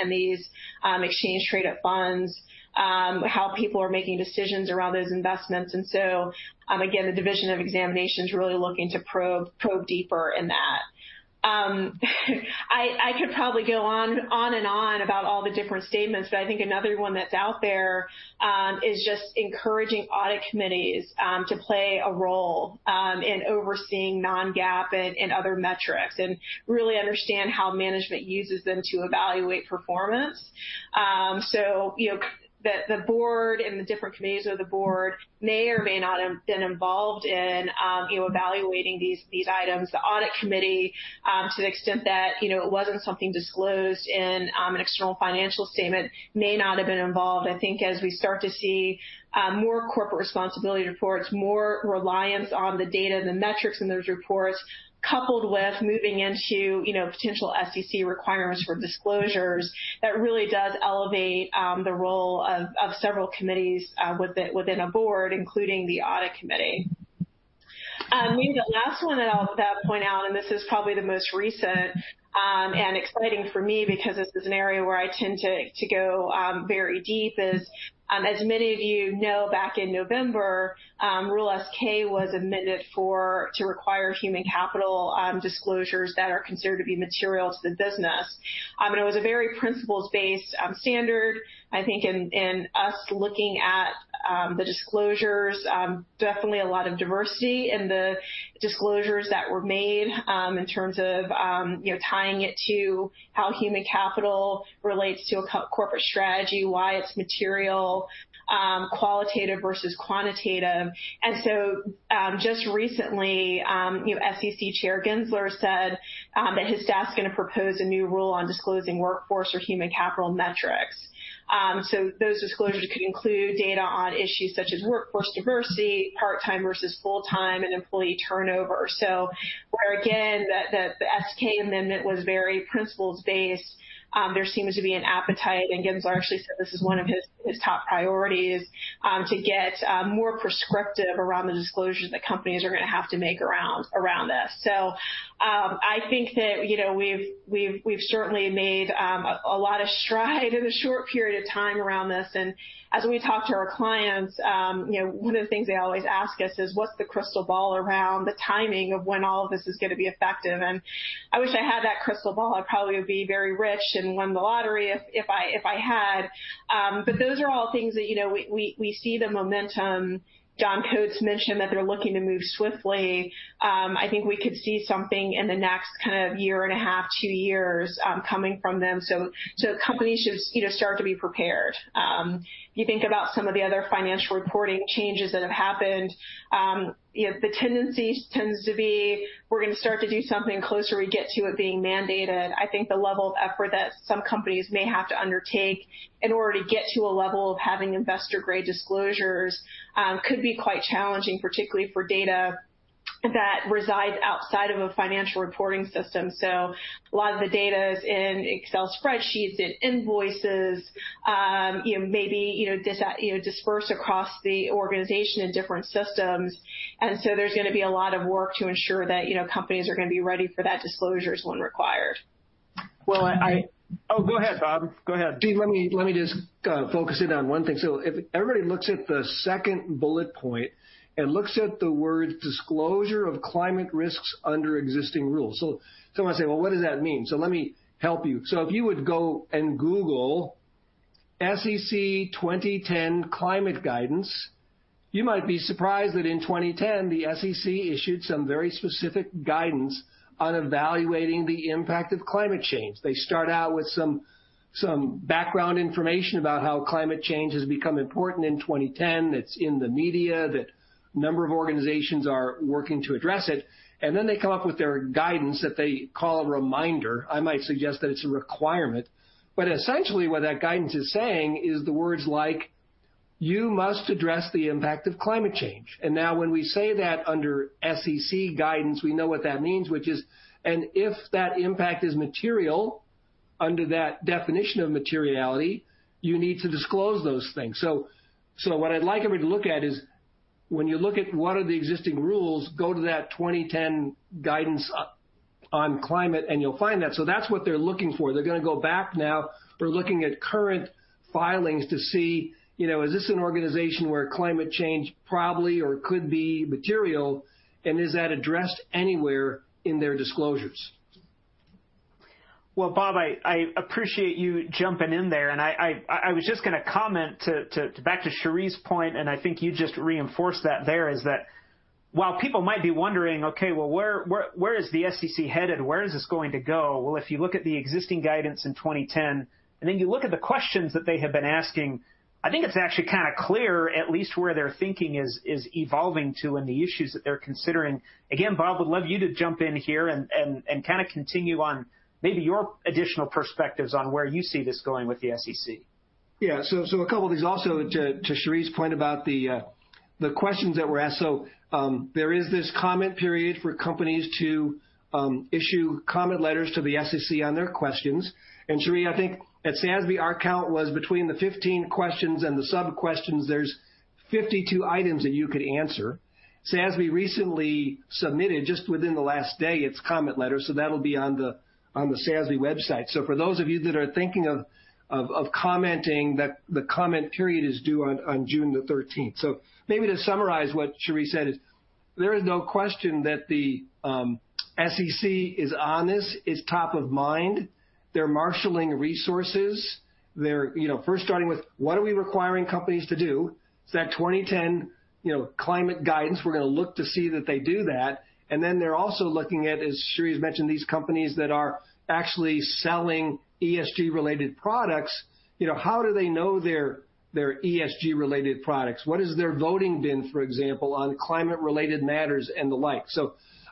exchange traded funds, how people are making decisions around those investments. Again, the Division of Examinations really looking to probe deeper in that. I could probably go on and on about all the different statements, but I think another one that's out there is just encouraging audit committees to play a role in overseeing non-GAAP and other metrics and really understand how management uses them to evaluate performance. The board and the different committees of the board may or may not have been involved in evaluating these items. The audit committee, to the extent that it wasn't something disclosed in an external financial statement, may not have been involved. I think as we start to see more corporate responsibility reports, more reliance on the data, the metrics in those reports, coupled with moving into potential SEC requirements for disclosures, that really does elevate the role of several committees within a board, including the audit committee. Maybe the last one I'll point out, and this is probably the most recent and exciting for me because this is an area where I tend to go very deep is, as many of you know back in November, Rule S-K was admitted to require human capital disclosures that are considered to be material to the business. It was a very principles-based standard. I think in us looking at the disclosures, definitely a lot of diversity in the disclosures that were made in terms of tying it to how human capital relates to a corporate strategy, why it's material, qualitative versus quantitative. Just recently, SEC Chair Gensler said that his staff's going to propose a new rule on disclosing workforce or human capital metrics. Those disclosures could include data on issues such as workforce diversity, part-time versus full-time, and employee turnover. Where again, the S-K amendment was very principles-based. There seems to be an appetite, and Gensler actually said this is one of his top priorities, to get more prescriptive around the disclosures that companies are going to have to make around this. I think that we've certainly made a lot of stride in a short period of time around this. As we talk to our clients, one of the things they always ask us is what's the crystal ball around the timing of when all of this is going to be effective. I wish I had that crystal ball; I probably would be very rich and won the lottery if I had. Those are all things that we see the momentum. John Coates mentioned that they're looking to move swiftly. I think we could see something in the next kind of year and a half, two years coming from them. Companies should start to be prepared. You think about some of the other financial reporting changes that have happened. The tendency tends to be we're going to start to do something closer we get to it being mandated. I think the level of effort that some companies may have to undertake in order to get to a level of having investor-grade disclosures could be quite challenging, particularly for data that resides outside of a financial reporting system. A lot of the data is in Excel spreadsheets, in invoices, maybe dispersed across the organization in different systems. There's going to be a lot of work to ensure that companies are going to be ready for that disclosure when required. Well, oh, go ahead, Bob, go ahead. Let me just focus in on one thing. If everybody looks at the second bullet point and looks at the words disclosure of climate risks under existing rules. Someone would say, "Well, what does that mean?" Let me help you. If you would go and Google SEC 2010 climate guidance, you might be surprised that in 2010, the SEC issued some very specific guidance on evaluating the impact of climate change. They start out with some background information about how climate change has become important in 2010. It's in the media. That a number of organizations are working to address it. They come up with their guidance that they call a reminder. I might suggest that it's a requirement. Essentially what that guidance is saying is the words like, you must address the impact of climate change. Now when we say that under SEC guidance, we know what that means, which is, and if that impact is material under that definition of materiality, you need to disclose those things. What I'd like everybody to look at is when you look at what are the existing rules, go to that 2010 guidance on climate, and you'll find that, that's what they're looking for. They're going to go back now. They're looking at current filings to see, is this an organization where climate change probably or could be material, and is that addressed anywhere in their disclosures? Bob, I appreciate you jumping in there, and I was just going to comment back to Sheri's point, and I think you just reinforced that there is that while people might be wondering, okay, well, where is the SEC headed? Where is this going to go? If you look at the existing guidance in 2010, and then you look at the questions that they have been asking, I think it's actually kind of clear at least where their thinking is evolving to and the issues that they're considering. Again, Bob, would love you to jump in here and kind of continue on maybe your additional perspectives on where you see this going with the SEC. A couple things also to Sheri point about the questions that were asked. There is this comment period for companies to issue comment letters to the SEC on their questions. Sheri, I think at SASB, our count was between the 15 questions and the sub-questions, there's 52 items that you could answer. SASB recently submitted just within the last day its comment letter. That'll be on the SASB website. For those of you that are thinking of commenting, the comment period is due on June the 13th. Maybe to summarize what Sheri Wyatt said is there is no question that the SEC is on this. It's top of mind, they're marshaling resources. They're first starting with what are we requiring companies to do? It's that 2010 climate guidance, we're going to look to see that they do that. They're also looking at, as Sheri mentioned, these companies that are actually selling ESG-related products. How do they know they're ESG-related products? What is their voting been, for example, on climate-related matters and the like?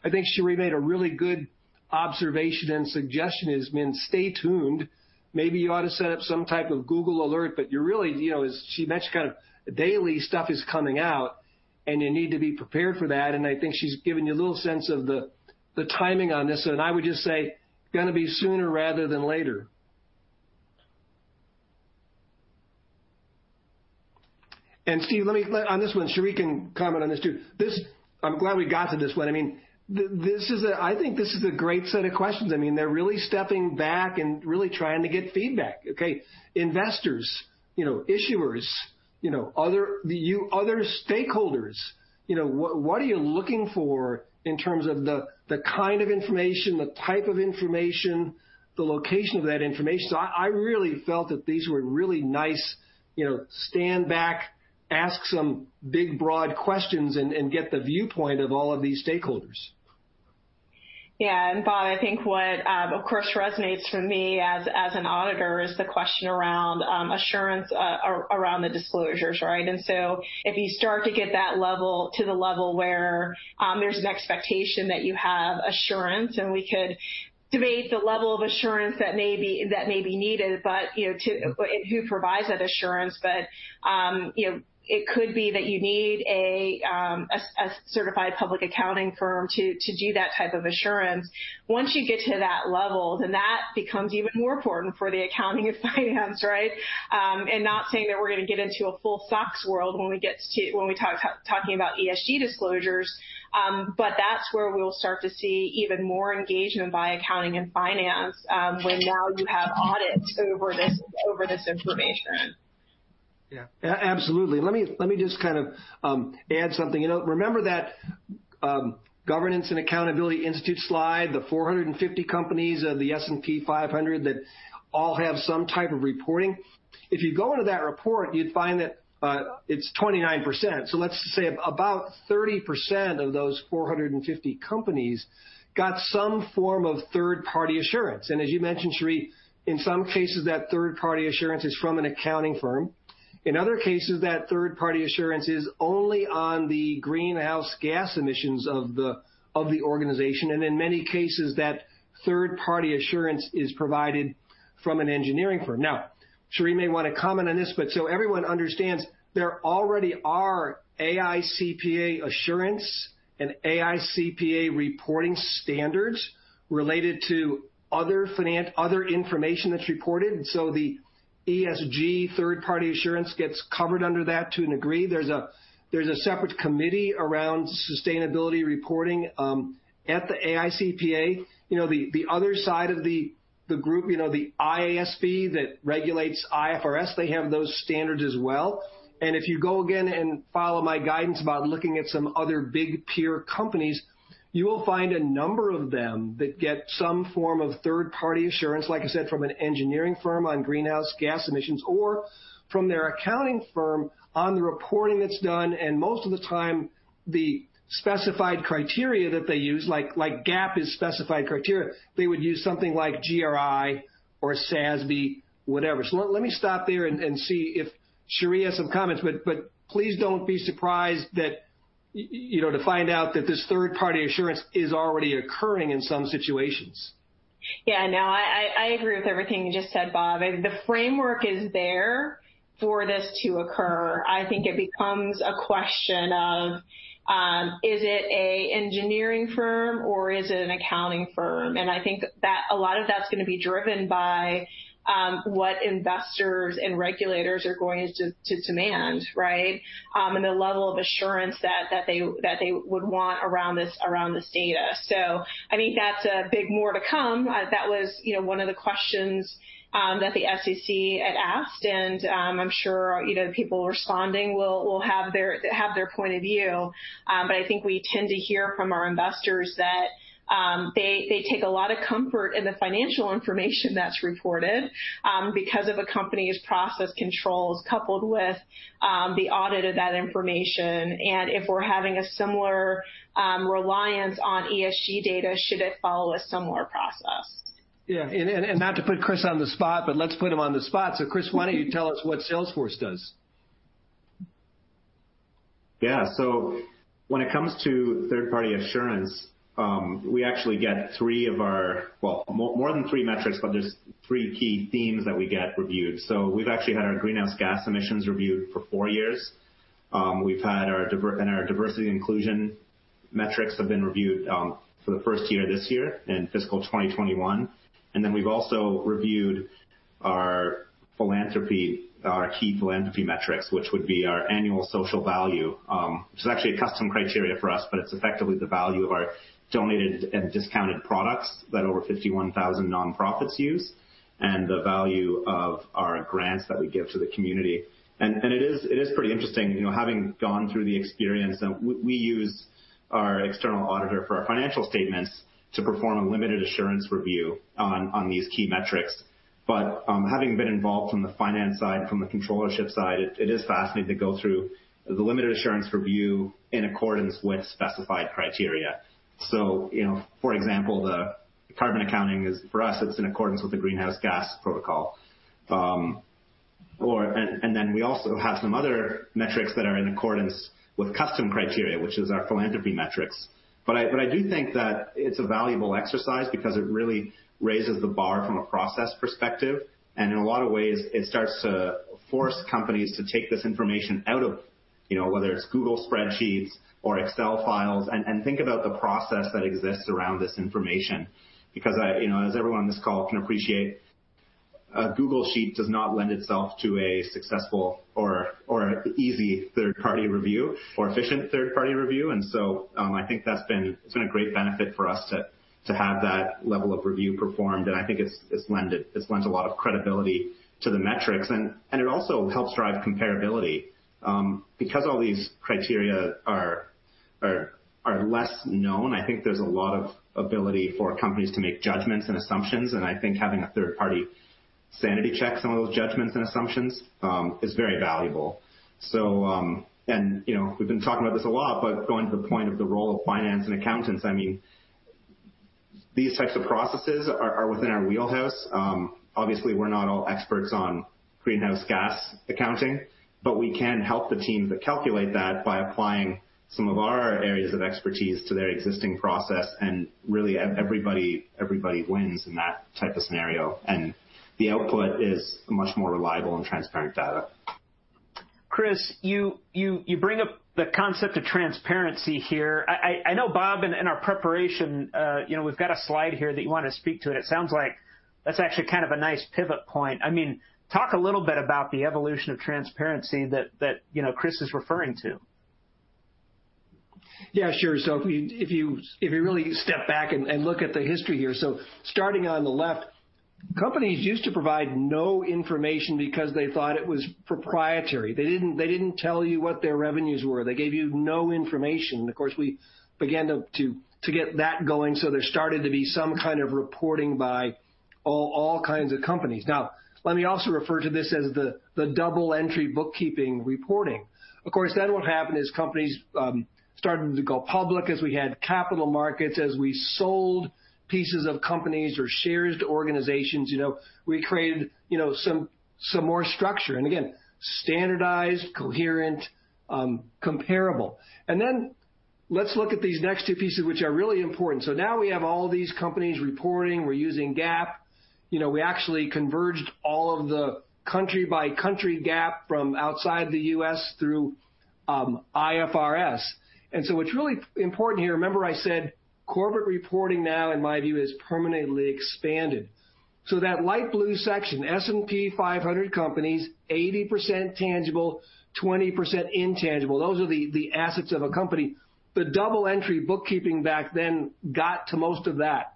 I think Sheri made a really good observation and suggestion has been stay tuned. Maybe you ought to set up some type of Google alert, you really, as she mentioned kind of daily stuff is coming out, and you need to be prepared for that. I think she's given you a little sense of the timing on this, and I would just say going to be sooner rather than later. Steve, on this one, Sheri can comment on this too. I'm glad we got to this one. I think this is a great set of questions. They're really stepping back and really trying to get feedback, okay. Investors, issuers, other stakeholders, what are you looking for in terms of the kind of information, the type of information, the location of that information? I really felt that these were really nice, stand back, ask some big, broad questions, and get the viewpoint of all of these stakeholders. Yeah. Bob, I think what, of course, resonates for me as an auditor is the question around assurance around the disclosures, right? If you start to get to the level where there's an expectation that you have assurance, and we could debate the level of assurance that may be needed, but who provides that assurance. It could be that you need a certified public accounting firm to do that type of assurance. Once you get to that level, then that becomes even more important for the accounting and finance, right? Not saying that we're going to get into a full SOX world when we talking about ESG disclosures, but that's where we'll start to see even more engagement by accounting and finance, when now you have audits over this information. Yeah, absolutely. Let me just add something, remember that Governance & Accountability Institute slide, the 450 companies of the S&P 500 that all have some type of reporting? If you go into that report, you'd find that it's 29%. Let's say about 30% of those 450 companies got some form of third-party assurance. As you mentioned, Sheri, in some cases, that third-party assurance is from an accounting firm. In other cases, that third-party assurance is only on the greenhouse gas emissions of the organization, and in many cases, that third-party assurance is provided from an engineering firm. Sheri may want to comment on this, but so everyone understands, there already are AICPA assurance and AICPA reporting standards related to other information that's reported. The ESG third-party assurance gets covered under that to a degree. There's a separate committee around sustainability reporting, at the AICPA. The other side of the group, the IASB that regulates IFRS, they have those standards as well. If you go again and follow my guidance about looking at some other big peer companies, you will find a number of them that get some form of third-party assurance, like I said, from an engineering firm on greenhouse gas emissions, or from their accounting firm on the reporting that's done. Most of the time, the specified criteria that they use, like GAAP is specified criteria. They would use something like GRI or SASB. Let me stop there and see if Sheri has some comments. Please don't be surprised to find out that this third-party assurance is already occurring in some situations. I agree with everything you just said, Bob. The framework is there for this to occur. I think it becomes a question of, is it an engineering firm or is it an accounting firm? I think that a lot of that's going to be driven by what investors and regulators are going to demand, right? The level of assurance that they would want around this data. I think that's a big more to come. That was one of the questions that the SEC had asked. I'm sure people responding will have their point of view. I think we tend to hear from our investors that they take a lot of comfort in the financial information that's reported because of a company's process controls coupled with the audit of that information, and if we're having a similar reliance on ESG data, should it follow a similar process? Yeah, not to put Chris on the spot, but let's put him on the spot. Chris, why don't you tell us what Salesforce does? When it comes to third-party assurance, we actually get three of our Well, more than three metrics, there's three key themes that we get reviewed. We've actually had our greenhouse gas emissions reviewed for four years. Our diversity inclusion metrics have been reviewed for the first year this year in fiscal 2021. We've also reviewed our key philanthropy metrics, which would be our annual social value, which is actually a custom criteria for us, but it's effectively the value of our donated and discounted products that over 51,000 nonprofits use, and the value of our grants that we give to the community. It is pretty interesting, having gone through the experience. We use our external auditor for our financial statements to perform a limited assurance review on these key metrics. Having been involved from the finance side, from the controllership side, it is fascinating to go through the limited assurance review in accordance with specified criteria. For example, the carbon accounting is, for us, it's in accordance with the Greenhouse Gas Protocol. We also have some other metrics that are in accordance with custom criteria, which is our philanthropy metrics. I do think that it's a valuable exercise because it really raises the bar from a process perspective, and in a lot of ways, it starts to force companies to take this information out of whether it's Google Spreadsheets or Excel files, and think about the process that exists around this information because as everyone on this call can appreciate, a Google Sheet does not lend itself to a successful or easy third-party review or efficient third-party review. I think that's been a great benefit for us to have that level of review performed, and I think it lends a lot of credibility to the metrics, and it also helps drive comparability. All these criteria are less known. I think there's a lot of ability for companies to make judgments and assumptions, and I think having a third party sanity check some of those judgments and assumptions is very valuable. We've been talking about this a lot, but going to the point of the role of finance and accountants, these types of processes are within our wheelhouse. Obviously, we're not all experts on greenhouse gas accounting, but we can help the teams that calculate that by applying some of our areas of expertise to their existing process, and really everybody wins in that type of scenario, and the output is much more reliable and transparent data. Chris, you bring up the concept of transparency here. I know, Bob, in our preparation, we've got a slide here that you want to speak to. It sounds like that's actually kind of a nice pivot point. Talk a little bit about the evolution of transparency that Chris is referring to. Yeah, sure. If you really step back and look at the history here, starting on the left, companies used to provide no information because they thought it was proprietary. They didn't tell you what their revenues were, they gave you no information, of course, we began to get that going, there started to be some kind of reporting by all kinds of companies. Let me also refer to this as the double-entry bookkeeping reporting. What happened is companies started to go public as we had capital markets, as we sold pieces of companies or shares to organizations. We created some more structure, again, standardized, coherent, comparable. Let's look at these next two pieces, which are really important. Now we have all these companies reporting. We're using GAAP. We actually converged all of the country-by-country GAAP from outside the U.S. through IFRS. What's really important here, remember I said corporate reporting now, in my view, is permanently expanded. That light blue section, S&P 500 companies, 80% tangible, 20% intangible. Those are the assets of a company. The double-entry bookkeeping back then got to most of that.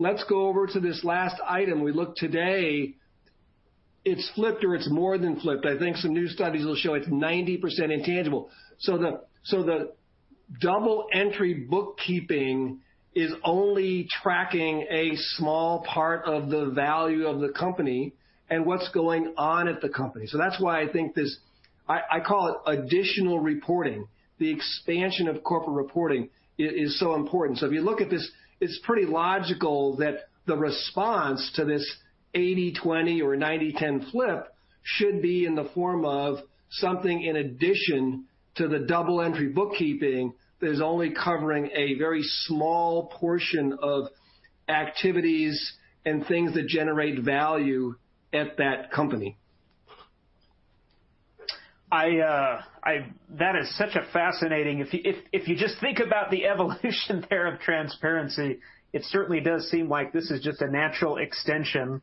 Let's go over to this last item. We look today, it's flipped or it's more than flipped. I think some new studies will show it's 90% intangible. The double-entry bookkeeping is only tracking a small part of the value of the company and what's going on at the company. That's why I think this; I call it additional reporting. The expansion of corporate reporting is so important. If you look at this, it's pretty logical that the response to this 80/20 or 90/10 flip should be in the form of something in addition to the double-entry bookkeeping that is only covering a very small portion of activities and things that generate value at that company. If you just think about the evolution there of transparency, it certainly does seem like this is just a natural extension.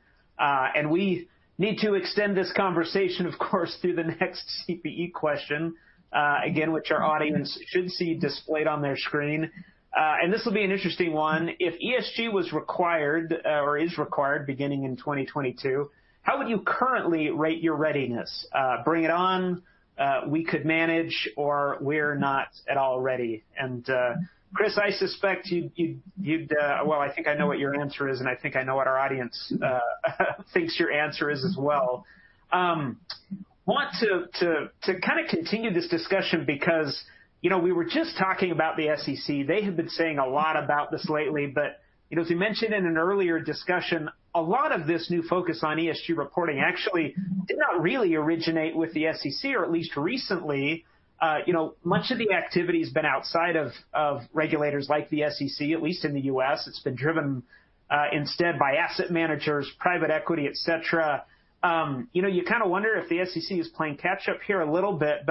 We need to extend this conversation, of course, through the next CPE question, again, which our audience should see displayed on their screen. This will be an interesting one, if ESG was required or is required beginning in 2022, how would you currently rate your readiness? Bring it on, we could manage, or we're not at all ready. Chris, well, I think I know what your answer is, and I think I know what our audience thinks your answer is as well. We want to kind of continue this discussion because we were just talking about the SEC. They have been saying a lot about this lately. As we mentioned in an earlier discussion, a lot of this new focus on ESG reporting actually did not really originate with the SEC, or at least recently. Much of the activity's been outside of regulators like the SEC, at least in the U.S. It's been driven instead by asset managers, private equity, et cetera. You kind of wonder if the SEC is playing catch-up here a little bit.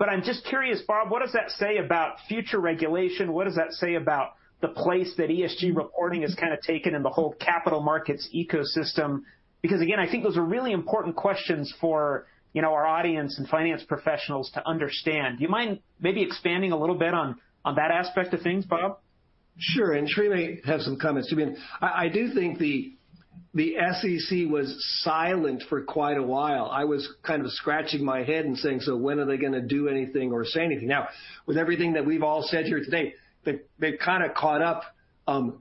I'm just curious, Bob, what does that say about future regulation? What does that say about the place that ESG reporting has kind of taken in the whole capital markets ecosystem? Because again, I think those are really important questions for our audience and finance professionals to understand. Do you mind maybe expanding a little bit on that aspect of things, Bob? Sure, Trudy has some comments. I do think the SEC was silent for quite a while. I was kind of scratching my head and saying, "When are they going to do anything or say anything?" Now, with everything that we've all said here today, they've kind of caught up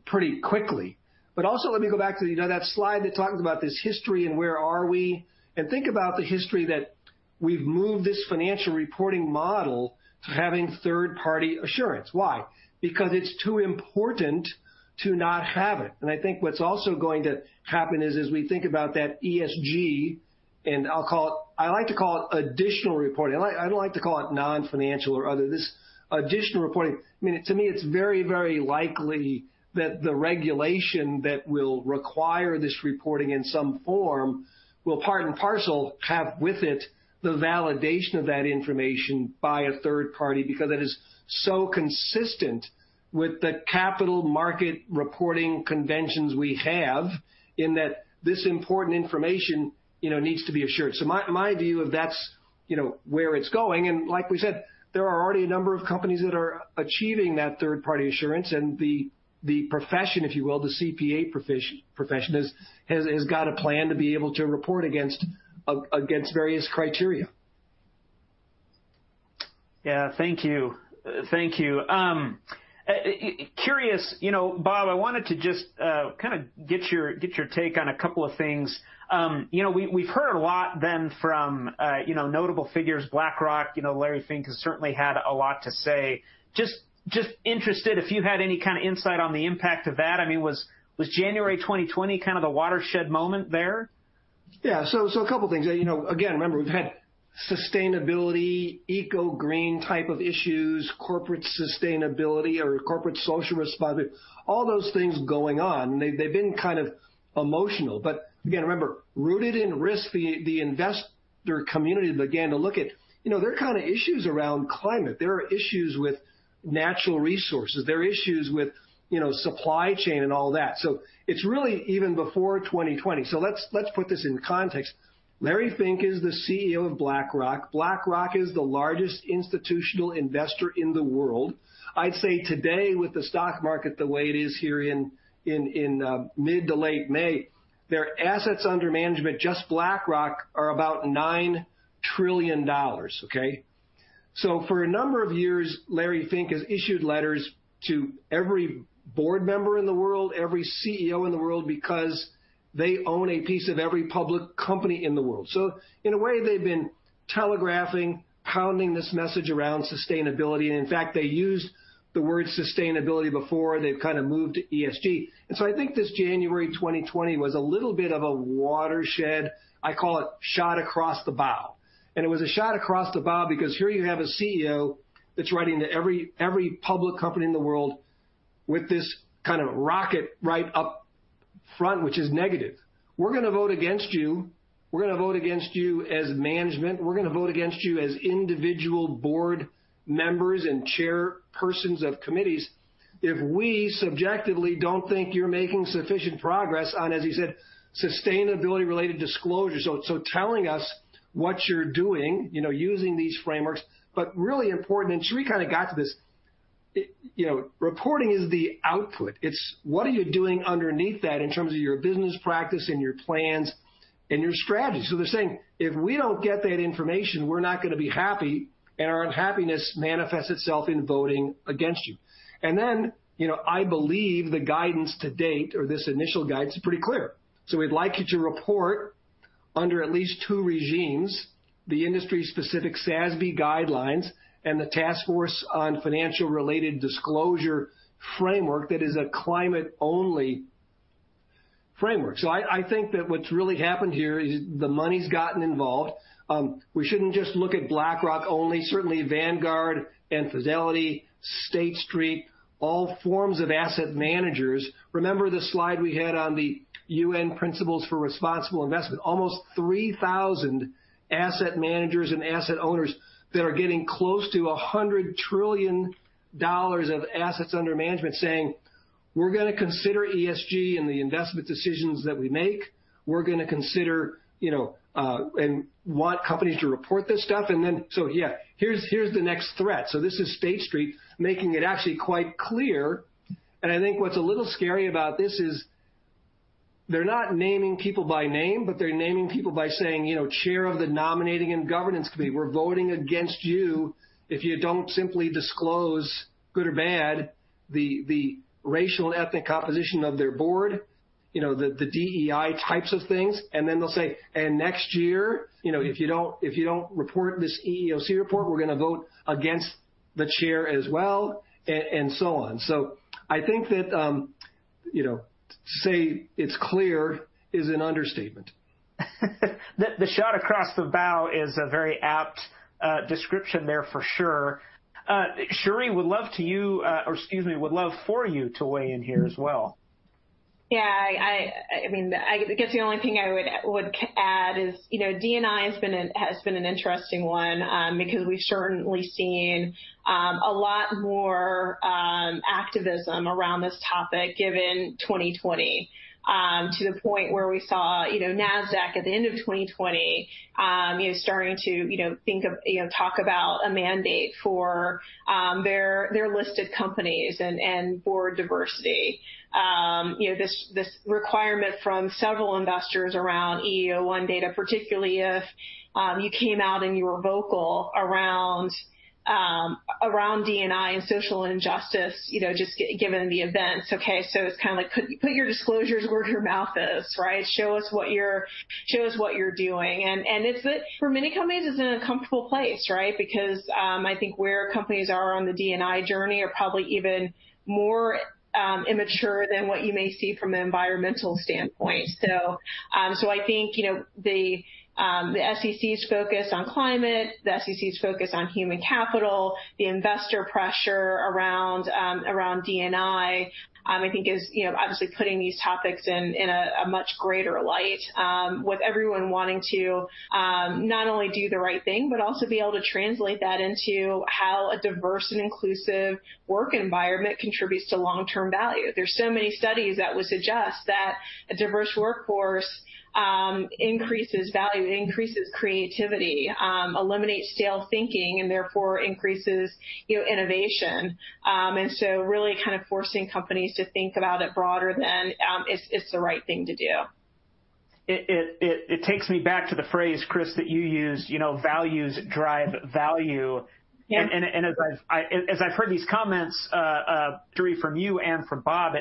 pretty quickly. Also, I want to go back to that slide that talked about this history and where are we, and think about the history that we've moved this financial reporting model to having third-party assurance. Why? Because it's too important to not have it. I think what's also going to happen is as we think about that ESG, and I like to call it additional reporting, I don't like to call it non-financial or other. This additional reporting, to me, it's very, very likely that the regulation that will require this reporting in some form will part and parcel have with it the validation of that information by a third party because that is so consistent with the capital market reporting conventions we have, in that this important information needs to be assured. My view of that's where it's going, like we said, there are already a number of companies that are achieving that third-party assurance and the profession, if you will, the CPA profession has got a plan to be able to report against various criteria. Yeah, thank you. Curious, you know, Bob, I wanted to just get your take on a couple of things. We've heard a lot then from notable figures, BlackRock, you know, Larry Fink has certainly had a lot to say. Just interested if you had any kind of insight on the impact of that. I mean, was January 2020 kind of the watershed moment there? Yeah, a couple things. Again, remember, we've had sustainability, eco-green type of issues, Corporate Sustainability or corporate social responsibility, all those things going on. They've been kind of emotional, but again, remember, rooted in risk, the investor community began to look at their kind of issues around climate. There are issues with natural resources, there are issues with supply chain and all that. It's really even before 2020. Let's put this in context. Larry Fink is the CEO of BlackRock. BlackRock is the largest institutional investor in the world. I'd say today with the stock market the way it is here in mid to late May, their assets under management, just BlackRock, are about $9 trillion, okay? For a number of years, Larry Fink has issued letters to every board member in the world, every CEO in the world, because they own a piece of every public company in the world. In a way, they've been telegraphing, pounding this message around sustainability, and in fact, they used the word sustainability before they kind of moved to ESG. I think this January 2020 was a little bit of a watershed, I call it shot across the bow. It was a shot across the bow because here you have a CEO that's writing to every public company in the world with this kind of rocket right up front, which is negative. We're going to vote against you; we're going to vote against you as management. We're going to vote against you as individual board members and chairpersons of committees if we subjectively don't think you're making sufficient progress on, as you said, sustainability-related disclosure. Telling us what you're doing, using these frameworks, but really important, and Sheri kind of got to this, reporting is the output. It's what are you doing underneath that in terms of your business practice and your plans and your strategy. They're saying, "If we don't get that information, we're not going to be happy, and our unhappiness manifests itself in voting against you." Then, I believe the guidance to date or this initial guidance is pretty clear. We'd like you to report under at least two regimes, the industry specific SASB guidelines and the Task Force on Climate-Related Financial Disclosures framework that is a climate-only framework. I think that what's really happened here is the money's gotten involved. We shouldn't just look at BlackRock only. Certainly, Vanguard and Fidelity, State Street, all forms of asset managers. Remember the slide we had on the UN Principles for Responsible Investment, almost 3,000 asset managers and asset owners that are getting close to $100 trillion of assets under management saying, "We're going to consider ESG in the investment decisions that we make. We're going to consider and want companies to report this stuff." Yeah, here's the next threat. This is State Street making it actually quite clear, and I think what's a little scary about this is they're not naming people by name, but they're naming people by saying, chair of the nominating and governance committee. We're voting against you if you don't simply disclose, good or bad, the racial and ethnic composition of their board, the DEI types of things. Then they'll say, "Next year, if you don't report this EEOC report, we're going to vote against the chair as well," and so on. I think that to say it's clear is an understatement. The shot across the bow is a very apt description there for sure. Sheri, would love for you to weigh in here as well. Yeah, I guess the only thing I would add is, D&I has been an interesting one, because we've certainly seen a lot more activism around this topic given 2020, to the point where we saw Nasdaq at the end of 2020, starting to think of, talk about a mandate for their listed companies and board diversity. This requirement from several investors around EEO-1 data, particularly if you came out and you were vocal around D&I and social injustice, just given the events, okay. It's kind of put your disclosures where your mouth is, right? Show us what you're doing. For many companies, it's an uncomfortable place, right? I think where companies are on the D&I journey are probably even more immature than what you may see from an environmental standpoint. I think, the SEC's focus on climate, the SEC's focus on human capital, the investor pressure around D&I think is obviously putting these topics in a much greater light, with everyone wanting to not only do the right thing, but also be able to translate that into how a diverse and inclusive work environment contributes to long-term value. There's so many studies that would suggest that a diverse workforce increases value, increases creativity, eliminates stale thinking, and therefore increases innovation. Really kind of forcing companies to think about it broader than, it's the right thing to do. It takes me back to the phrase, Chris, that you use, values drive value. Yeah. As I've heard these comments, three from you and from Bob,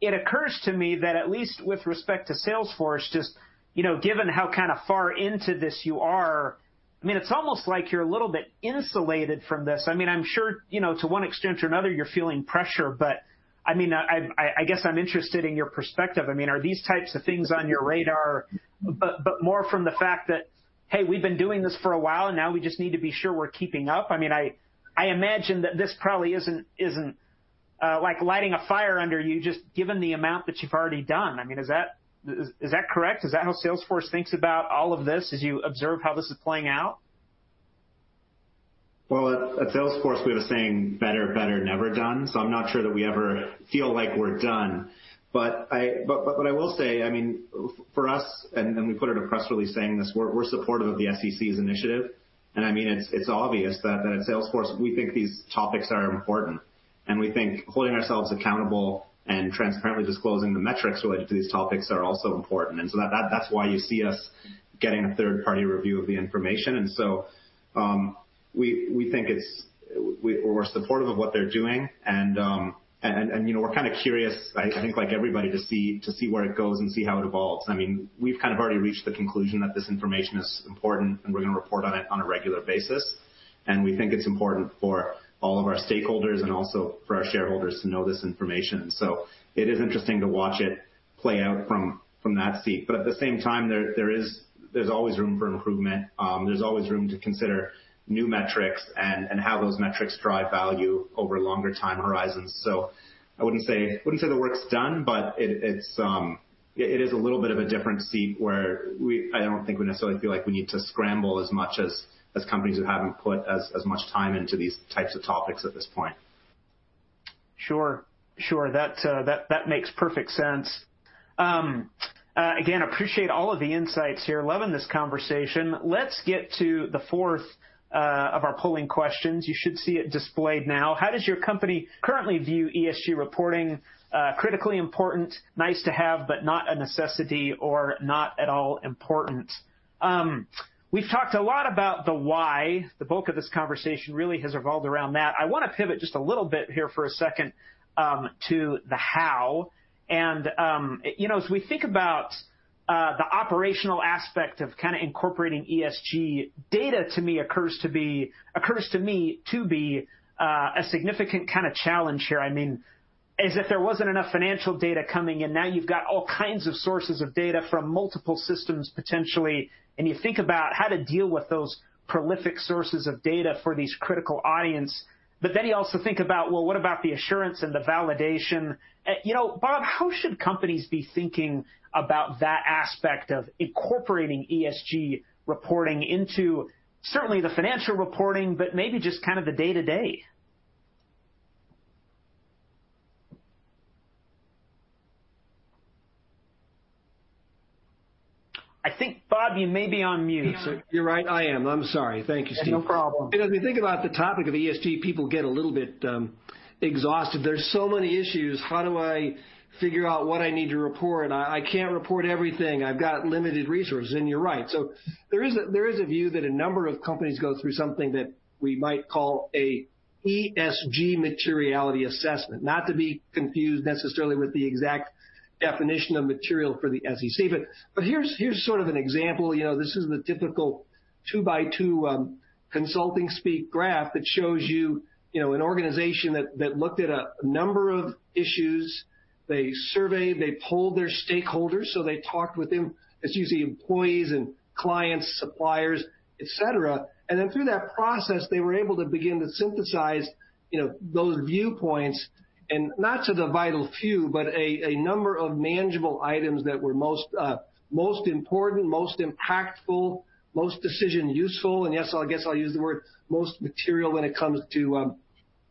it occurs to me that at least with respect to Salesforce, just given how kind of far into this you are, it's almost like you're a little bit insulated from this. I'm sure, to one extent or another, you're feeling pressure, but I guess I'm interested in your perspective. Are these types of things on your radar, but more from the fact that, hey, we've been doing this for a while, now we just need to be sure we're keeping up? I imagine that this probably isn't like lighting a fire under you, just given the amount that you've already done. Is that correct? Is that how Salesforce thinks about all of this as you observe how this is playing out? At Salesforce, we have a saying, "Better, better, never done." I'm not sure that we ever feel like we're done. What I will say, for us, and we put it in a press release saying this, we're supportive of the SEC's initiative. It's obvious that at Salesforce, we think these topics are important, and we think holding ourselves accountable and transparently disclosing the metrics related to these topics are also important. That's why you see us getting a third-party review of the information. We're supportive of what they're doing, and we're kind of curious, I think like everybody, to see where it goes and see how it evolves. We've kind of already reached the conclusion that this information is important, and we're going to report on it on a regular basis. We think it's important for all of our stakeholders and also for our shareholders to know this information. It is interesting to watch it play out from that seat. At the same time, there's always room for improvement. There's always room to consider new metrics and how those metrics drive value over longer time horizons. I wouldn't say the work's done, but it is a little bit of a different seat where I don't think we necessarily feel like we need to scramble as much as companies that haven't put as much time into these types of topics at this point. Sure, that makes perfect sense. Again, appreciate all of the insights here. Loving this conversation. Let's get to the fourth of our polling questions. You should see it displayed now. How does your company currently view ESG reporting? Critically important, nice to have, but not a necessity, or not at all important. We've talked a lot about the why. The bulk of this conversation really has revolved around that. I want to pivot just a little bit here for a second, to the how. As we think about the operational aspect of kind of incorporating ESG, data occurs to me to be a significant kind of challenge here. As if there wasn't enough financial data coming, now you've got all kinds of sources of data from multiple systems, potentially, you think about how to deal with those prolific sources of data for these critical audience. You also think about, well, what about the assurance and the validation? Bob, how should companies be thinking about that aspect of incorporating ESG reporting into certainly the financial reporting, but maybe just kind of the day-to-day? I think, Bob, you may be on mute. You're right, I am, I'm sorry. Thank you, Steve. No problem. When we think about the topic of ESG, people get a little bit exhausted. There's so many issues. How do I figure out what I need to report? I can't report everything. I've got limited resources, you're right. There is a view that a number of companies go through something that we might call a ESG materiality assessment, not to be confused necessarily with the exact definition of material for the SEC. Here's sort of an example, this is the typical two-by-two consulting speak graph that shows you an organization that looked at a number of issues. They surveyed, they polled their stakeholders, so they talked with them. It's usually employees and clients, suppliers, et cetera. Through that process, they were able to begin to synthesize those viewpoints and not to the vital few, but a number of manageable items that were most important, most impactful, most decision-useful, and yes, I guess I'll use the word most material when it comes to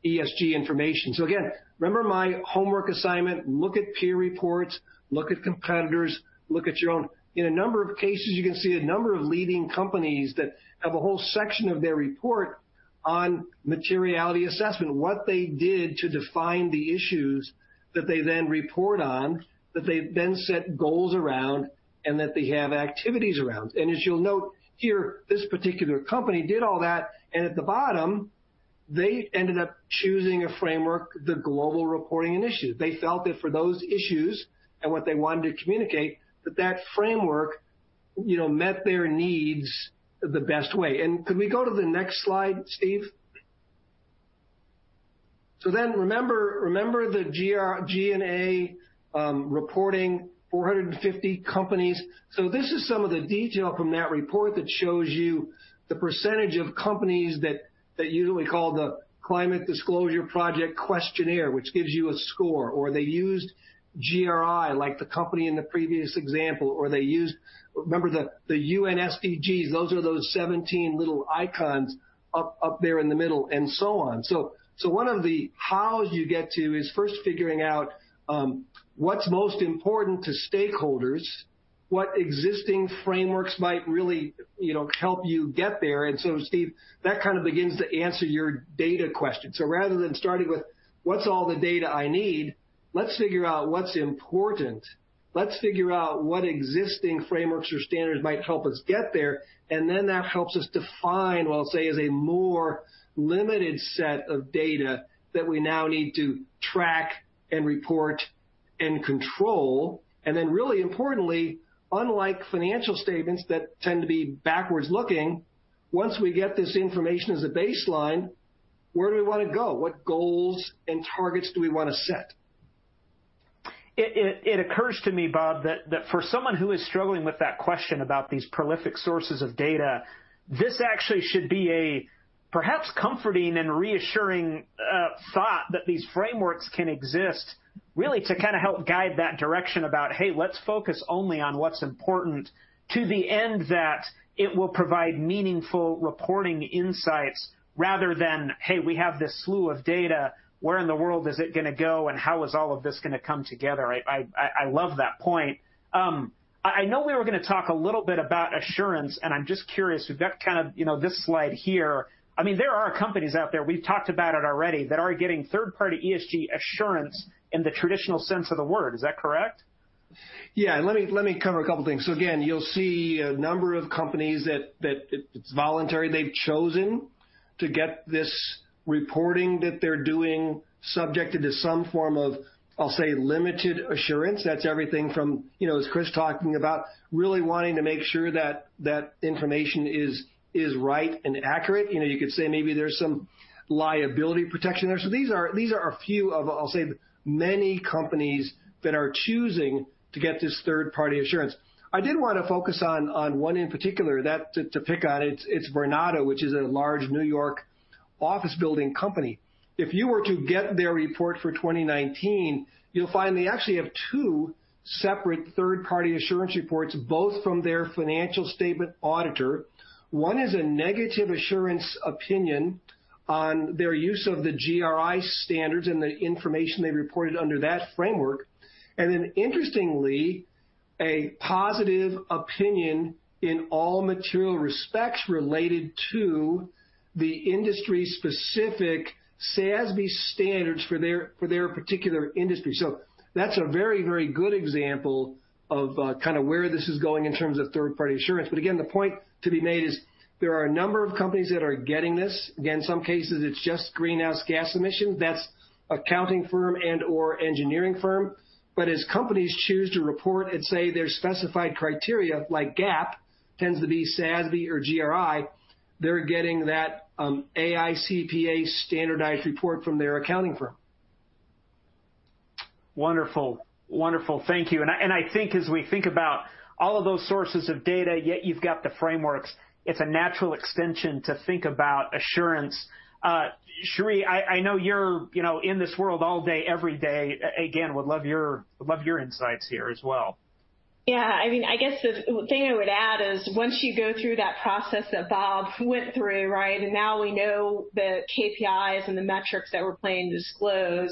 ESG information. Again, remember my homework assignment, look at peer reports, look at competitors, look at your own. In a number of cases, you can see a number of leading companies that have a whole section of their report on materiality assessment, what they did to define the issues that they then report on, that they then set goals around, and that they have activities around. As you'll note here, this particular company did all that, and at the bottom, they ended up choosing a framework, the Global Reporting Initiative. They felt that for those issues and what they wanted to communicate, that that framework met their needs the best way. Can we go to the next slide, Steve? Remember the G&A reporting 450 companies. This is some of the detail from that report that shows you the percentage of companies that usually call the Climate Disclosure Project Questionnaire, which gives you a score, or they used GRI, like the company in the previous example, or they used, remember, the UN SDGs. Those are those 17 little icons up there in the middle, and so on. One of the hows you get to is first figuring out what's most important to stakeholders, what existing frameworks might really help you get there. Steve, that kind of begins to answer your data question. Rather than starting with what's all the data I need, let's figure out what's important. Let's figure out what existing frameworks or standards might help us get there, and then that helps us define, I'll say, as a more limited set of data that we now need to track and report and control. Really importantly, unlike financial statements that tend to be backwards looking, once we get this information as a baseline, where do we want to go? What goals and targets do we want to set? It occurs to me, Bob, that for someone who is struggling with that question about these prolific sources of data, this actually should be a perhaps comforting and reassuring thought that these frameworks can exist, really to kind of help guide that direction about, hey, let's focus only on what's important to the end that it will provide meaningful reporting insights rather than, hey, we have this slew of data. Where in the world is it going to go, and how is all of this going to come together? I love that point. I know we were going to talk a little bit about assurance, and I'm just curious with that kind of this slide here. There are companies out there, we've talked about it already, that are getting third-party ESG assurance in the traditional sense of the word, is that correct? Yeah, let me cover a couple things. You'll see a number of companies that it's voluntary. They've chosen to get this reporting that they're doing subjected to some form of, I'll say, limited assurance. That's everything from, as Chris talking about, really wanting to make sure that that information is right and accurate. You could say maybe there's some liability protection there. These are a few of, I'll say, many companies that are choosing to get this third-party assurance. I did want to focus on one in particular; to pick on, it's Vornado, which is a large New York office building company. If you were to get their report for 2019, you'll find they actually have two separate third-party assurance reports, both from their financial statement auditor. One is a negative assurance opinion on their use of the GRI standards and the information they reported under that framework, interestingly, a positive opinion in all material respects related to the industry-specific SASB standards for their particular industry. That's a very good example of kind of where this is going in terms of third-party assurance. Again, the point to be made is there are a number of companies that are getting this. Again, some cases, it's just greenhouse gas emissions. That's accounting firm and/or engineering firm. As companies choose to report and say their specified criteria, like GAAP, tends to be SASB or GRI, they're getting that AICPA standardized report from their accounting firm. Wonderful, thank you. I think as we think about all of those sources of data, yet you've got the frameworks, it's a natural extension to think about assurance. Sheri, I know you're in this world all day, every day. Again, would love your insights here as well. I guess the thing I would add is once you go through that process that Bob went through, right, and now we know the KPIs and the metrics that we're planning to disclose,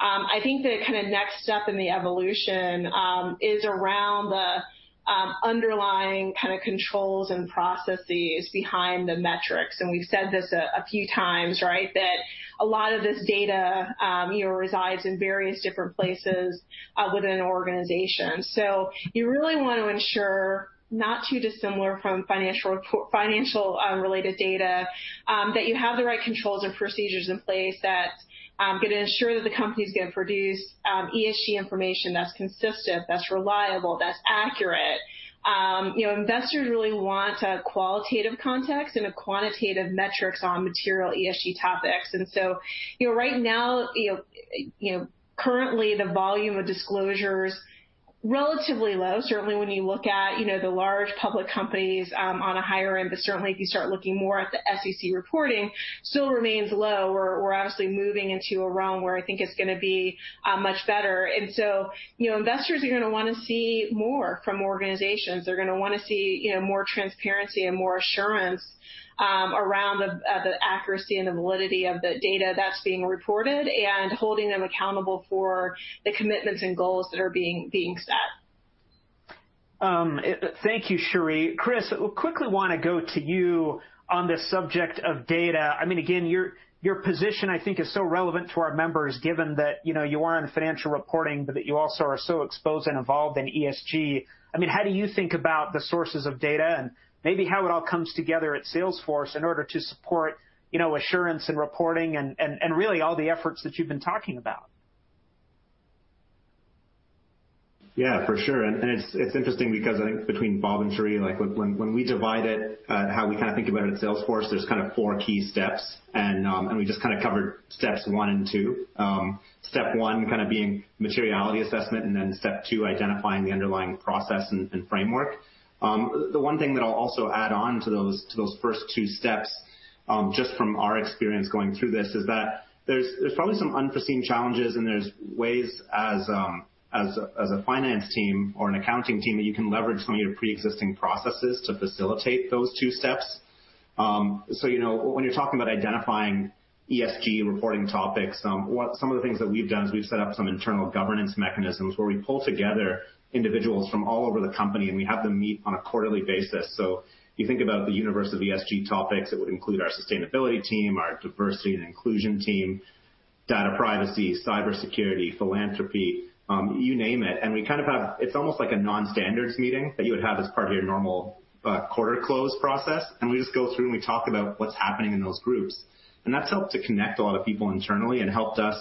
I think the kind of next step in the evolution is around the underlying kind of controls and processes behind the metrics. We've said this a few times, right? That a lot of this data resides in various different places within an organization. You really want to ensure, not too dissimilar from financial-related data, that you have the right controls and procedures in place that are going to ensure that the company's going to produce ESG information that's consistent, that's reliable, that's accurate. Investors really want a qualitative context and a quantitative metrics on material ESG topics. Right now, currently the volume of disclosure is relatively low. Certainly, when you look at the large public companies on a higher end, certainly if you start looking more at the SEC reporting, still remains low. We're actually moving into a realm where I think it's going to be much better. Investors are going to want to see more from organizations. They're going to want to see more transparency and more assurance around the accuracy and the validity of the data that's being reported and holding them accountable for the commitments and goals that are being set. Thank you, Sheri. Chris, quickly want to go to you on the subject of data. Your position, I think, is so relevant to our members given that you are in financial reporting, but that you also are so exposed and involved in ESG. How do you think about the sources of data and maybe how it all comes together at Salesforce in order to support assurance and reporting and really all the efforts that you've been talking about? Yeah, for sure, it's interesting because between Bob and Sheri, when we divide it, how we think about it at Salesforce, there's four key steps, and we just covered steps one, and two. Step one being materiality assessment, then step two, identifying the underlying process and framework. The one thing that I'll also add on to those first two steps, just from our experience going through this, is that there's probably some unforeseen challenges, and there's ways as a finance team or an accounting team that you can leverage one of your preexisting processes to facilitate those two steps. When you're talking about identifying ESG reporting topics, some of the things that we've done is we've set up some internal governance mechanisms where we pull together individuals from all over the company, and we have them meet on a quarterly basis. You think about the universe of ESG topics, it would include our sustainability team, our diversity and inclusion team, data privacy, cybersecurity, philanthropy, you name it. It's almost like a non-standards meeting that you would have as part of your normal quarter close process, and we just go through and we talk about what's happening in those groups. That's helped to connect a lot of people internally and helped us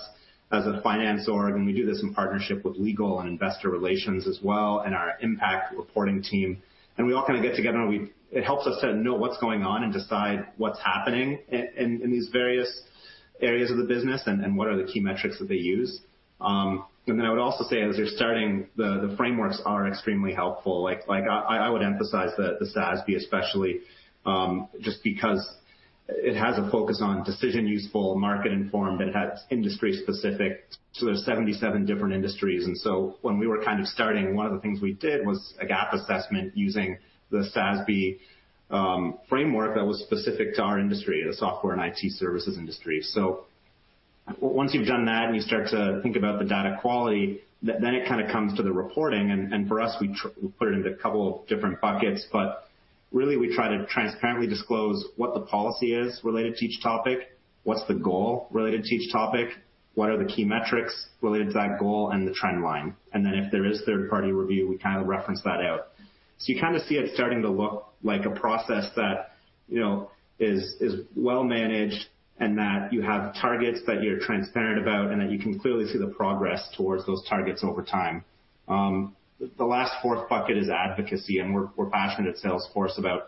as a finance org, and we do this in partnership with legal and investor relations as well, and our impact reporting team. We all get together, and it helps us to know what's going on and decide what's happening in these various areas of the business and what are the key metrics that they use. I would also say, as you're starting, the frameworks are extremely helpful. I would emphasize the SASB especially, just because it has a focus on decision-useful, market-informed, it has industry-specific to the 77 different industries. When we were starting, one of the things we did was a gap assessment using the SASB framework that was specific to our industry, the software and IT services industry. Once you've done that and you start to think about the data quality, then it comes to the reporting. For us, we put it into a couple of different buckets. Really, we try to transparently disclose what the policy is related to each topic, what's the goal related to each topic, what are the key metrics related to that goal, and the trend line. Then if there is third-party review, we reference that out. You kind of see it starting to look like a process that is well-managed and that you have targets that you're transparent about and that you can clearly see the progress towards those targets over time. The last fourth bucket is advocacy, we're passionate at Salesforce about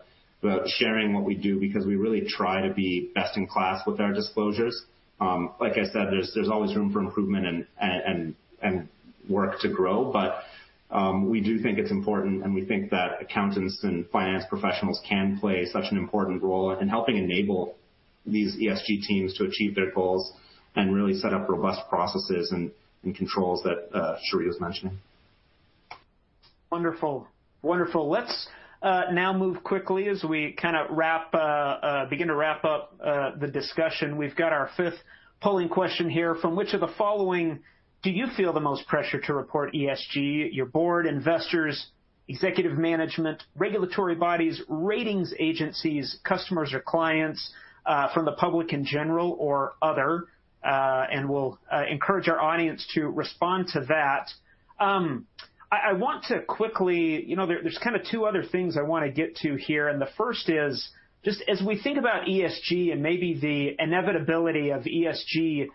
sharing what we do because we really try to be best in class with our disclosures. Like I said, there's always room for improvement and work to grow, but we do think it's important, and we think that accountants and finance professionals can play such an important role in helping enable these ESG teams to achieve their goals and really set up robust processes and controls that Sheri was mentioning. Wonderful, let's now move quickly as we begin to wrap up the discussion. We've got our fifth polling question here. From which of the following do you feel the most pressure to report ESG? Your board, investors, executive management, regulatory bodies, ratings agencies, customers or clients, from the public in general, or other? We'll encourage our audience to respond to that. There's two other things I want to get to here, and the first is, just as we think about ESG and maybe the inevitability of ESG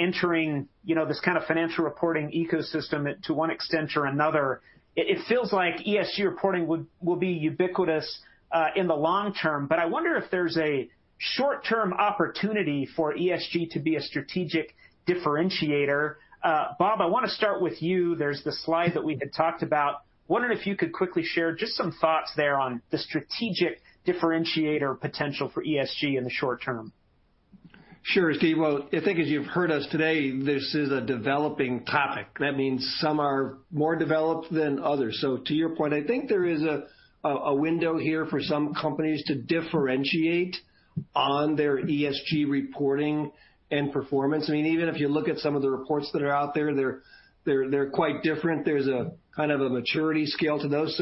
entering this kind of financial reporting ecosystem to one extent or another, it feels like ESG reporting will be ubiquitous in the long term. I wonder if there's a short-term opportunity for ESG to be a strategic differentiator. Bob, I want to start with you, there's the slide that we had talked about. Wonder if you could quickly share just some thoughts there on the strategic differentiator potential for ESG in the short term. Sure, Steve, well, I think as you've heard us today, this is a developing topic. That means some are more developed than others. To your point, I think there is a window here for some companies to differentiate on their ESG reporting and performance. I mean, even if you look at some of the reports that are out there, they're quite different. There's a kind of a maturity scale to those.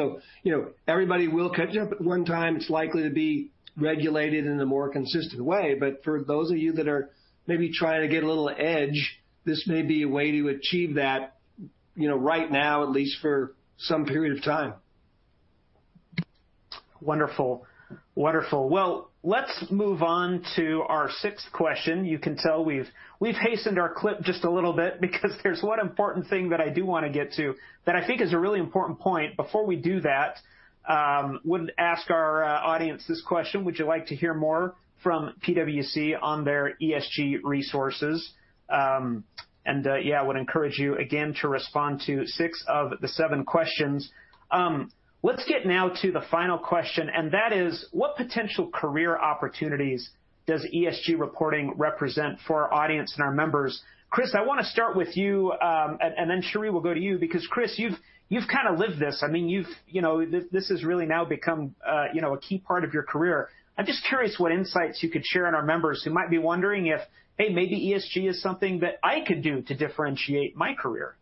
Everybody will catch up at one time. It's likely to be regulated in a more consistent way. For those of you that are maybe trying to get a little edge, this may be a way to achieve that, right now, at least for some period of time. Wonderful, well, let's move on to our sixth question. You can tell we've hastened our clip just a little bit because there's one important thing that I do want to get to that I think is a really important point. Before we do that, would ask our audience this question: Would you like to hear more from PwC on their ESG resources? Yeah, I would encourage you again to respond to six of the seven questions. Let's get now to the final question, and that is, what potential career opportunities does ESG reporting represent for our audience and our members? Chris, I want to start with you, and then Sheri, we'll go to you, because Chris, you've kind of lived this. This has really now become a key part of your career. I'm just curious what insights you could share on our members who might be wondering if, hey, maybe ESG is something that I could do to differentiate my career.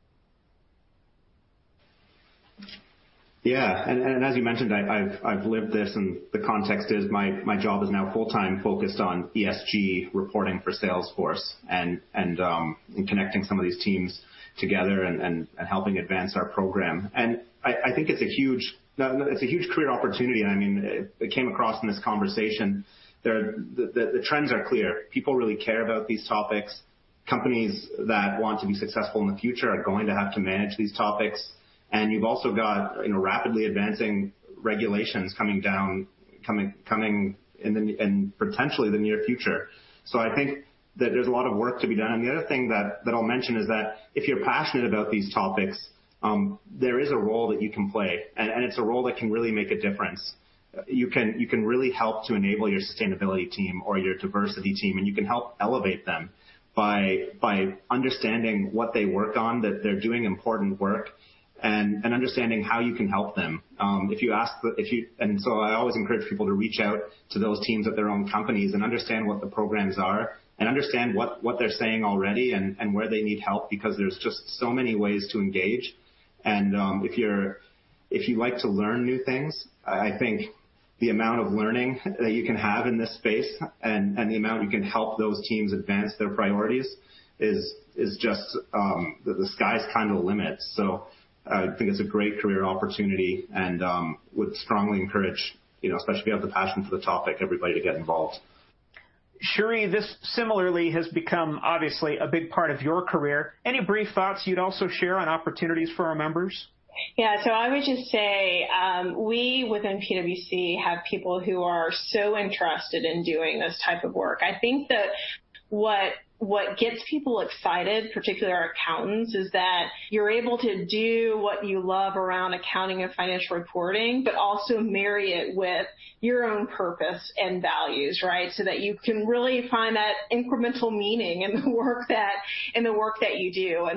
Yeah, as you mentioned, I've lived this, the context is my job is now full-time focused on ESG reporting for Salesforce and connecting some of these teams together and helping advance our program. I think it's a huge career opportunity, I mean, it came across in this conversation that the trends are clear. People really care about these topics. Companies that want to be successful in the future are going to have to manage these topics. You've also got rapidly advancing regulations coming down coming in potentially the near future. I think that there's a lot of work to be done. The other thing that I'll mention is that if you're passionate about these topics, there is a role that you can play, and it's a role that can really make a difference. You can really help to enable your sustainability team or your diversity team, you can help elevate them by understanding what they work on, that they're doing important work, and understanding how you can help them. I always encourage people to reach out to those teams at their own companies and understand what the programs are, and understand what they're saying already and where they need help, because there's just so many ways to engage. If you like to learn new things, I think the amount of learning that you can have in this space and the amount you can help those teams advance their priorities is just the sky's kind of the limit. I think it's a great career opportunity, would strongly encourage, especially if you have the passion for the topic, everybody to get involved. Sheri, this similarly has become, obviously, a big part of your career. Any brief thoughts you'd also share on opportunities for our members? I would just say, we within PwC have people who are so interested in doing this type of work. I think that what gets people excited, particularly our accountants, is that you're able to do what you love around accounting and financial reporting, but also marry it with your own purpose and values, right? That you can really find that incremental meaning in the work that you do.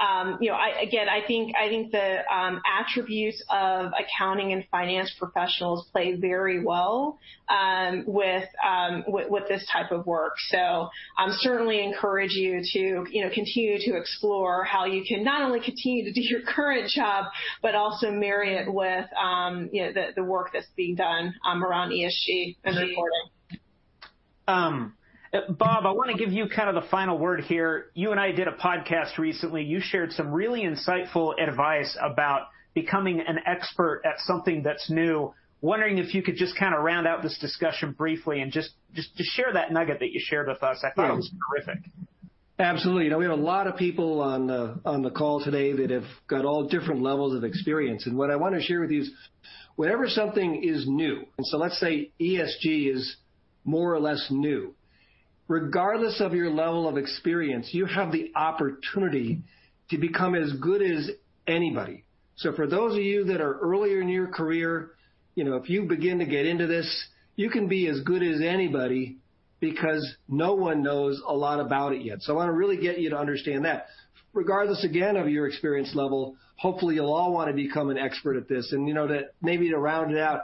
Again, I think the attributes of accounting and finance professionals play very well with this type of work. I certainly encourage you to continue to explore how you can not only continue to do your current job, but also marry it with the work that's being done around ESG and reporting. Bob, I want to give you kind of the final word here. You and I did a podcast recently. You shared some really insightful advice about becoming an expert at something that's new. Wondering if you could just kind of round out this discussion briefly and just to share that nugget that you shared with us? I thought it was terrific. Absolutely, we have a lot of people on the call today that have got all different levels of experience. What I want to share with you is, whenever something is new, let's say ESG is more or less new. Regardless of your level of experience, you have the opportunity to become as good as anybody. For those of you that are earlier in your career, if you begin to get into this, you can be as good as anybody because no one knows a lot about it yet. I want to really get you to understand that. Regardless, again, of your experience level, hopefully, you'll all want to become an expert at this. Maybe to round it out,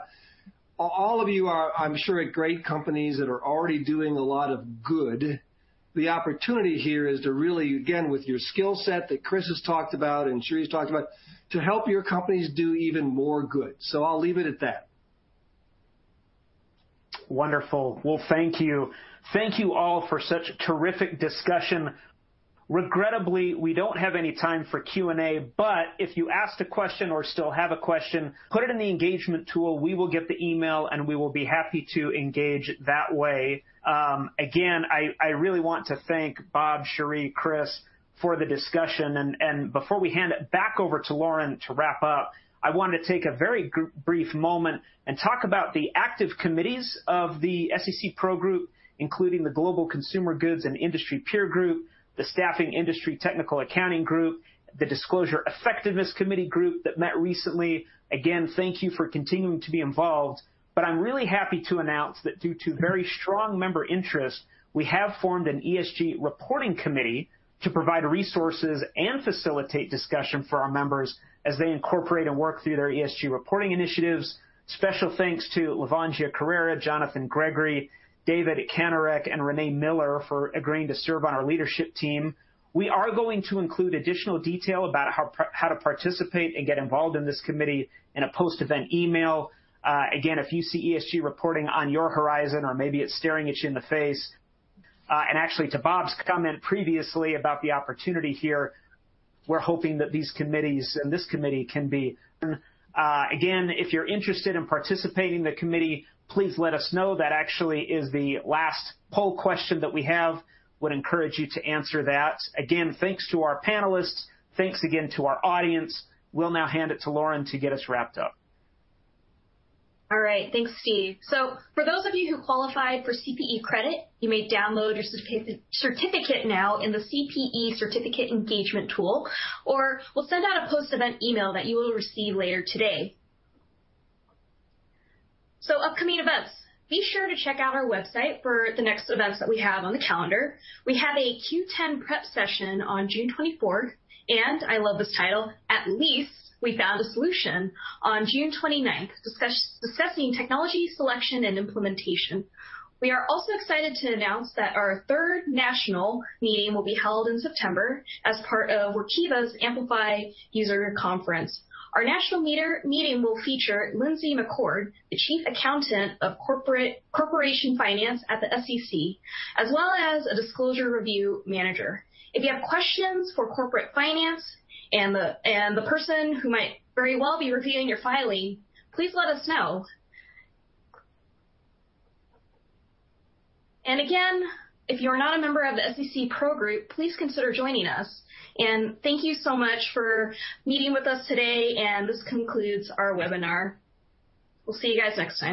all of you are, I'm sure, at great companies that are already doing a lot of good. The opportunity here is to really, again, with your skill set that Chris has talked about and Sheri's talked about, to help your companies do even more good, I'll leave it at that. Wonderful, well, thank you. Thank you all for such a terrific discussion. Regrettably, we don't have any time for Q&A, but if you asked a question or still have a question, put it in the engagement tool. We will get the email, and we will be happy to engage that way. Again, I really want to thank Bob, Sheri, Chris, for the discussion. Before we hand it back over to Lauren to wrap up, I want to take a very brief moment and talk about the active committees of the SEC Pro Group, including the Global Consumer Goods and Industry Peer Group, the Staffing Industry Technical Accounting Group, the Disclosure Effectiveness Committee Group that met recently. Again, thank you for continuing to be involved. I'm really happy to announce that due to very strong member interest, we have formed an ESG Reporting Committee to provide resources and facilitate discussion for our members as they incorporate and work through their ESG reporting initiatives. Special thanks to Levantia Carrera, Jonathan Gregory, David Kanarek, and Renee Miller for agreeing to serve on our leadership team. We are going to include additional detail about how to participate and get involved in this committee in a post-event email. If you see ESG reporting on your horizon, or maybe it's staring at you in the face, and actually to Bob's comment previously about the opportunity here, we're hoping that these committees and this committee. If you're interested in participating in the committee, please let us know. That actually is the last poll question that we have, would encourage you to answer that. Again, thanks to our panelists. Thanks again to our audience, we'll now hand it to Lauren to get us wrapped up. All right, thanks, Steve. For those of you who qualified for CPE credit, you may download your certificate now in the CPE certificate engagement tool, or we'll send out a post-event email that you will receive later today. Upcoming events, be sure to check out our website for the next events that we have on the calendar. We have a 10-K prep session on June 24th, and I love this title, At Lease We Found a Solution, on June 29th, discussing technology selection and implementation. We are also excited to announce that our third national meeting will be held in September as part of Workiva's Amplify User Conference. Our national meeting will feature Lindsay McCord, the Chief Accountant of the Division of Corporation Finance at the SEC, as well as a disclosure review manager. If you have questions for corporate finance and the person who might very well be reviewing your filing, please let us know. Again, if you are not a member of the SEC Pro Group, please consider joining us. Thank you so much for meeting with us today, and this concludes our webinar. We'll see you guys next time.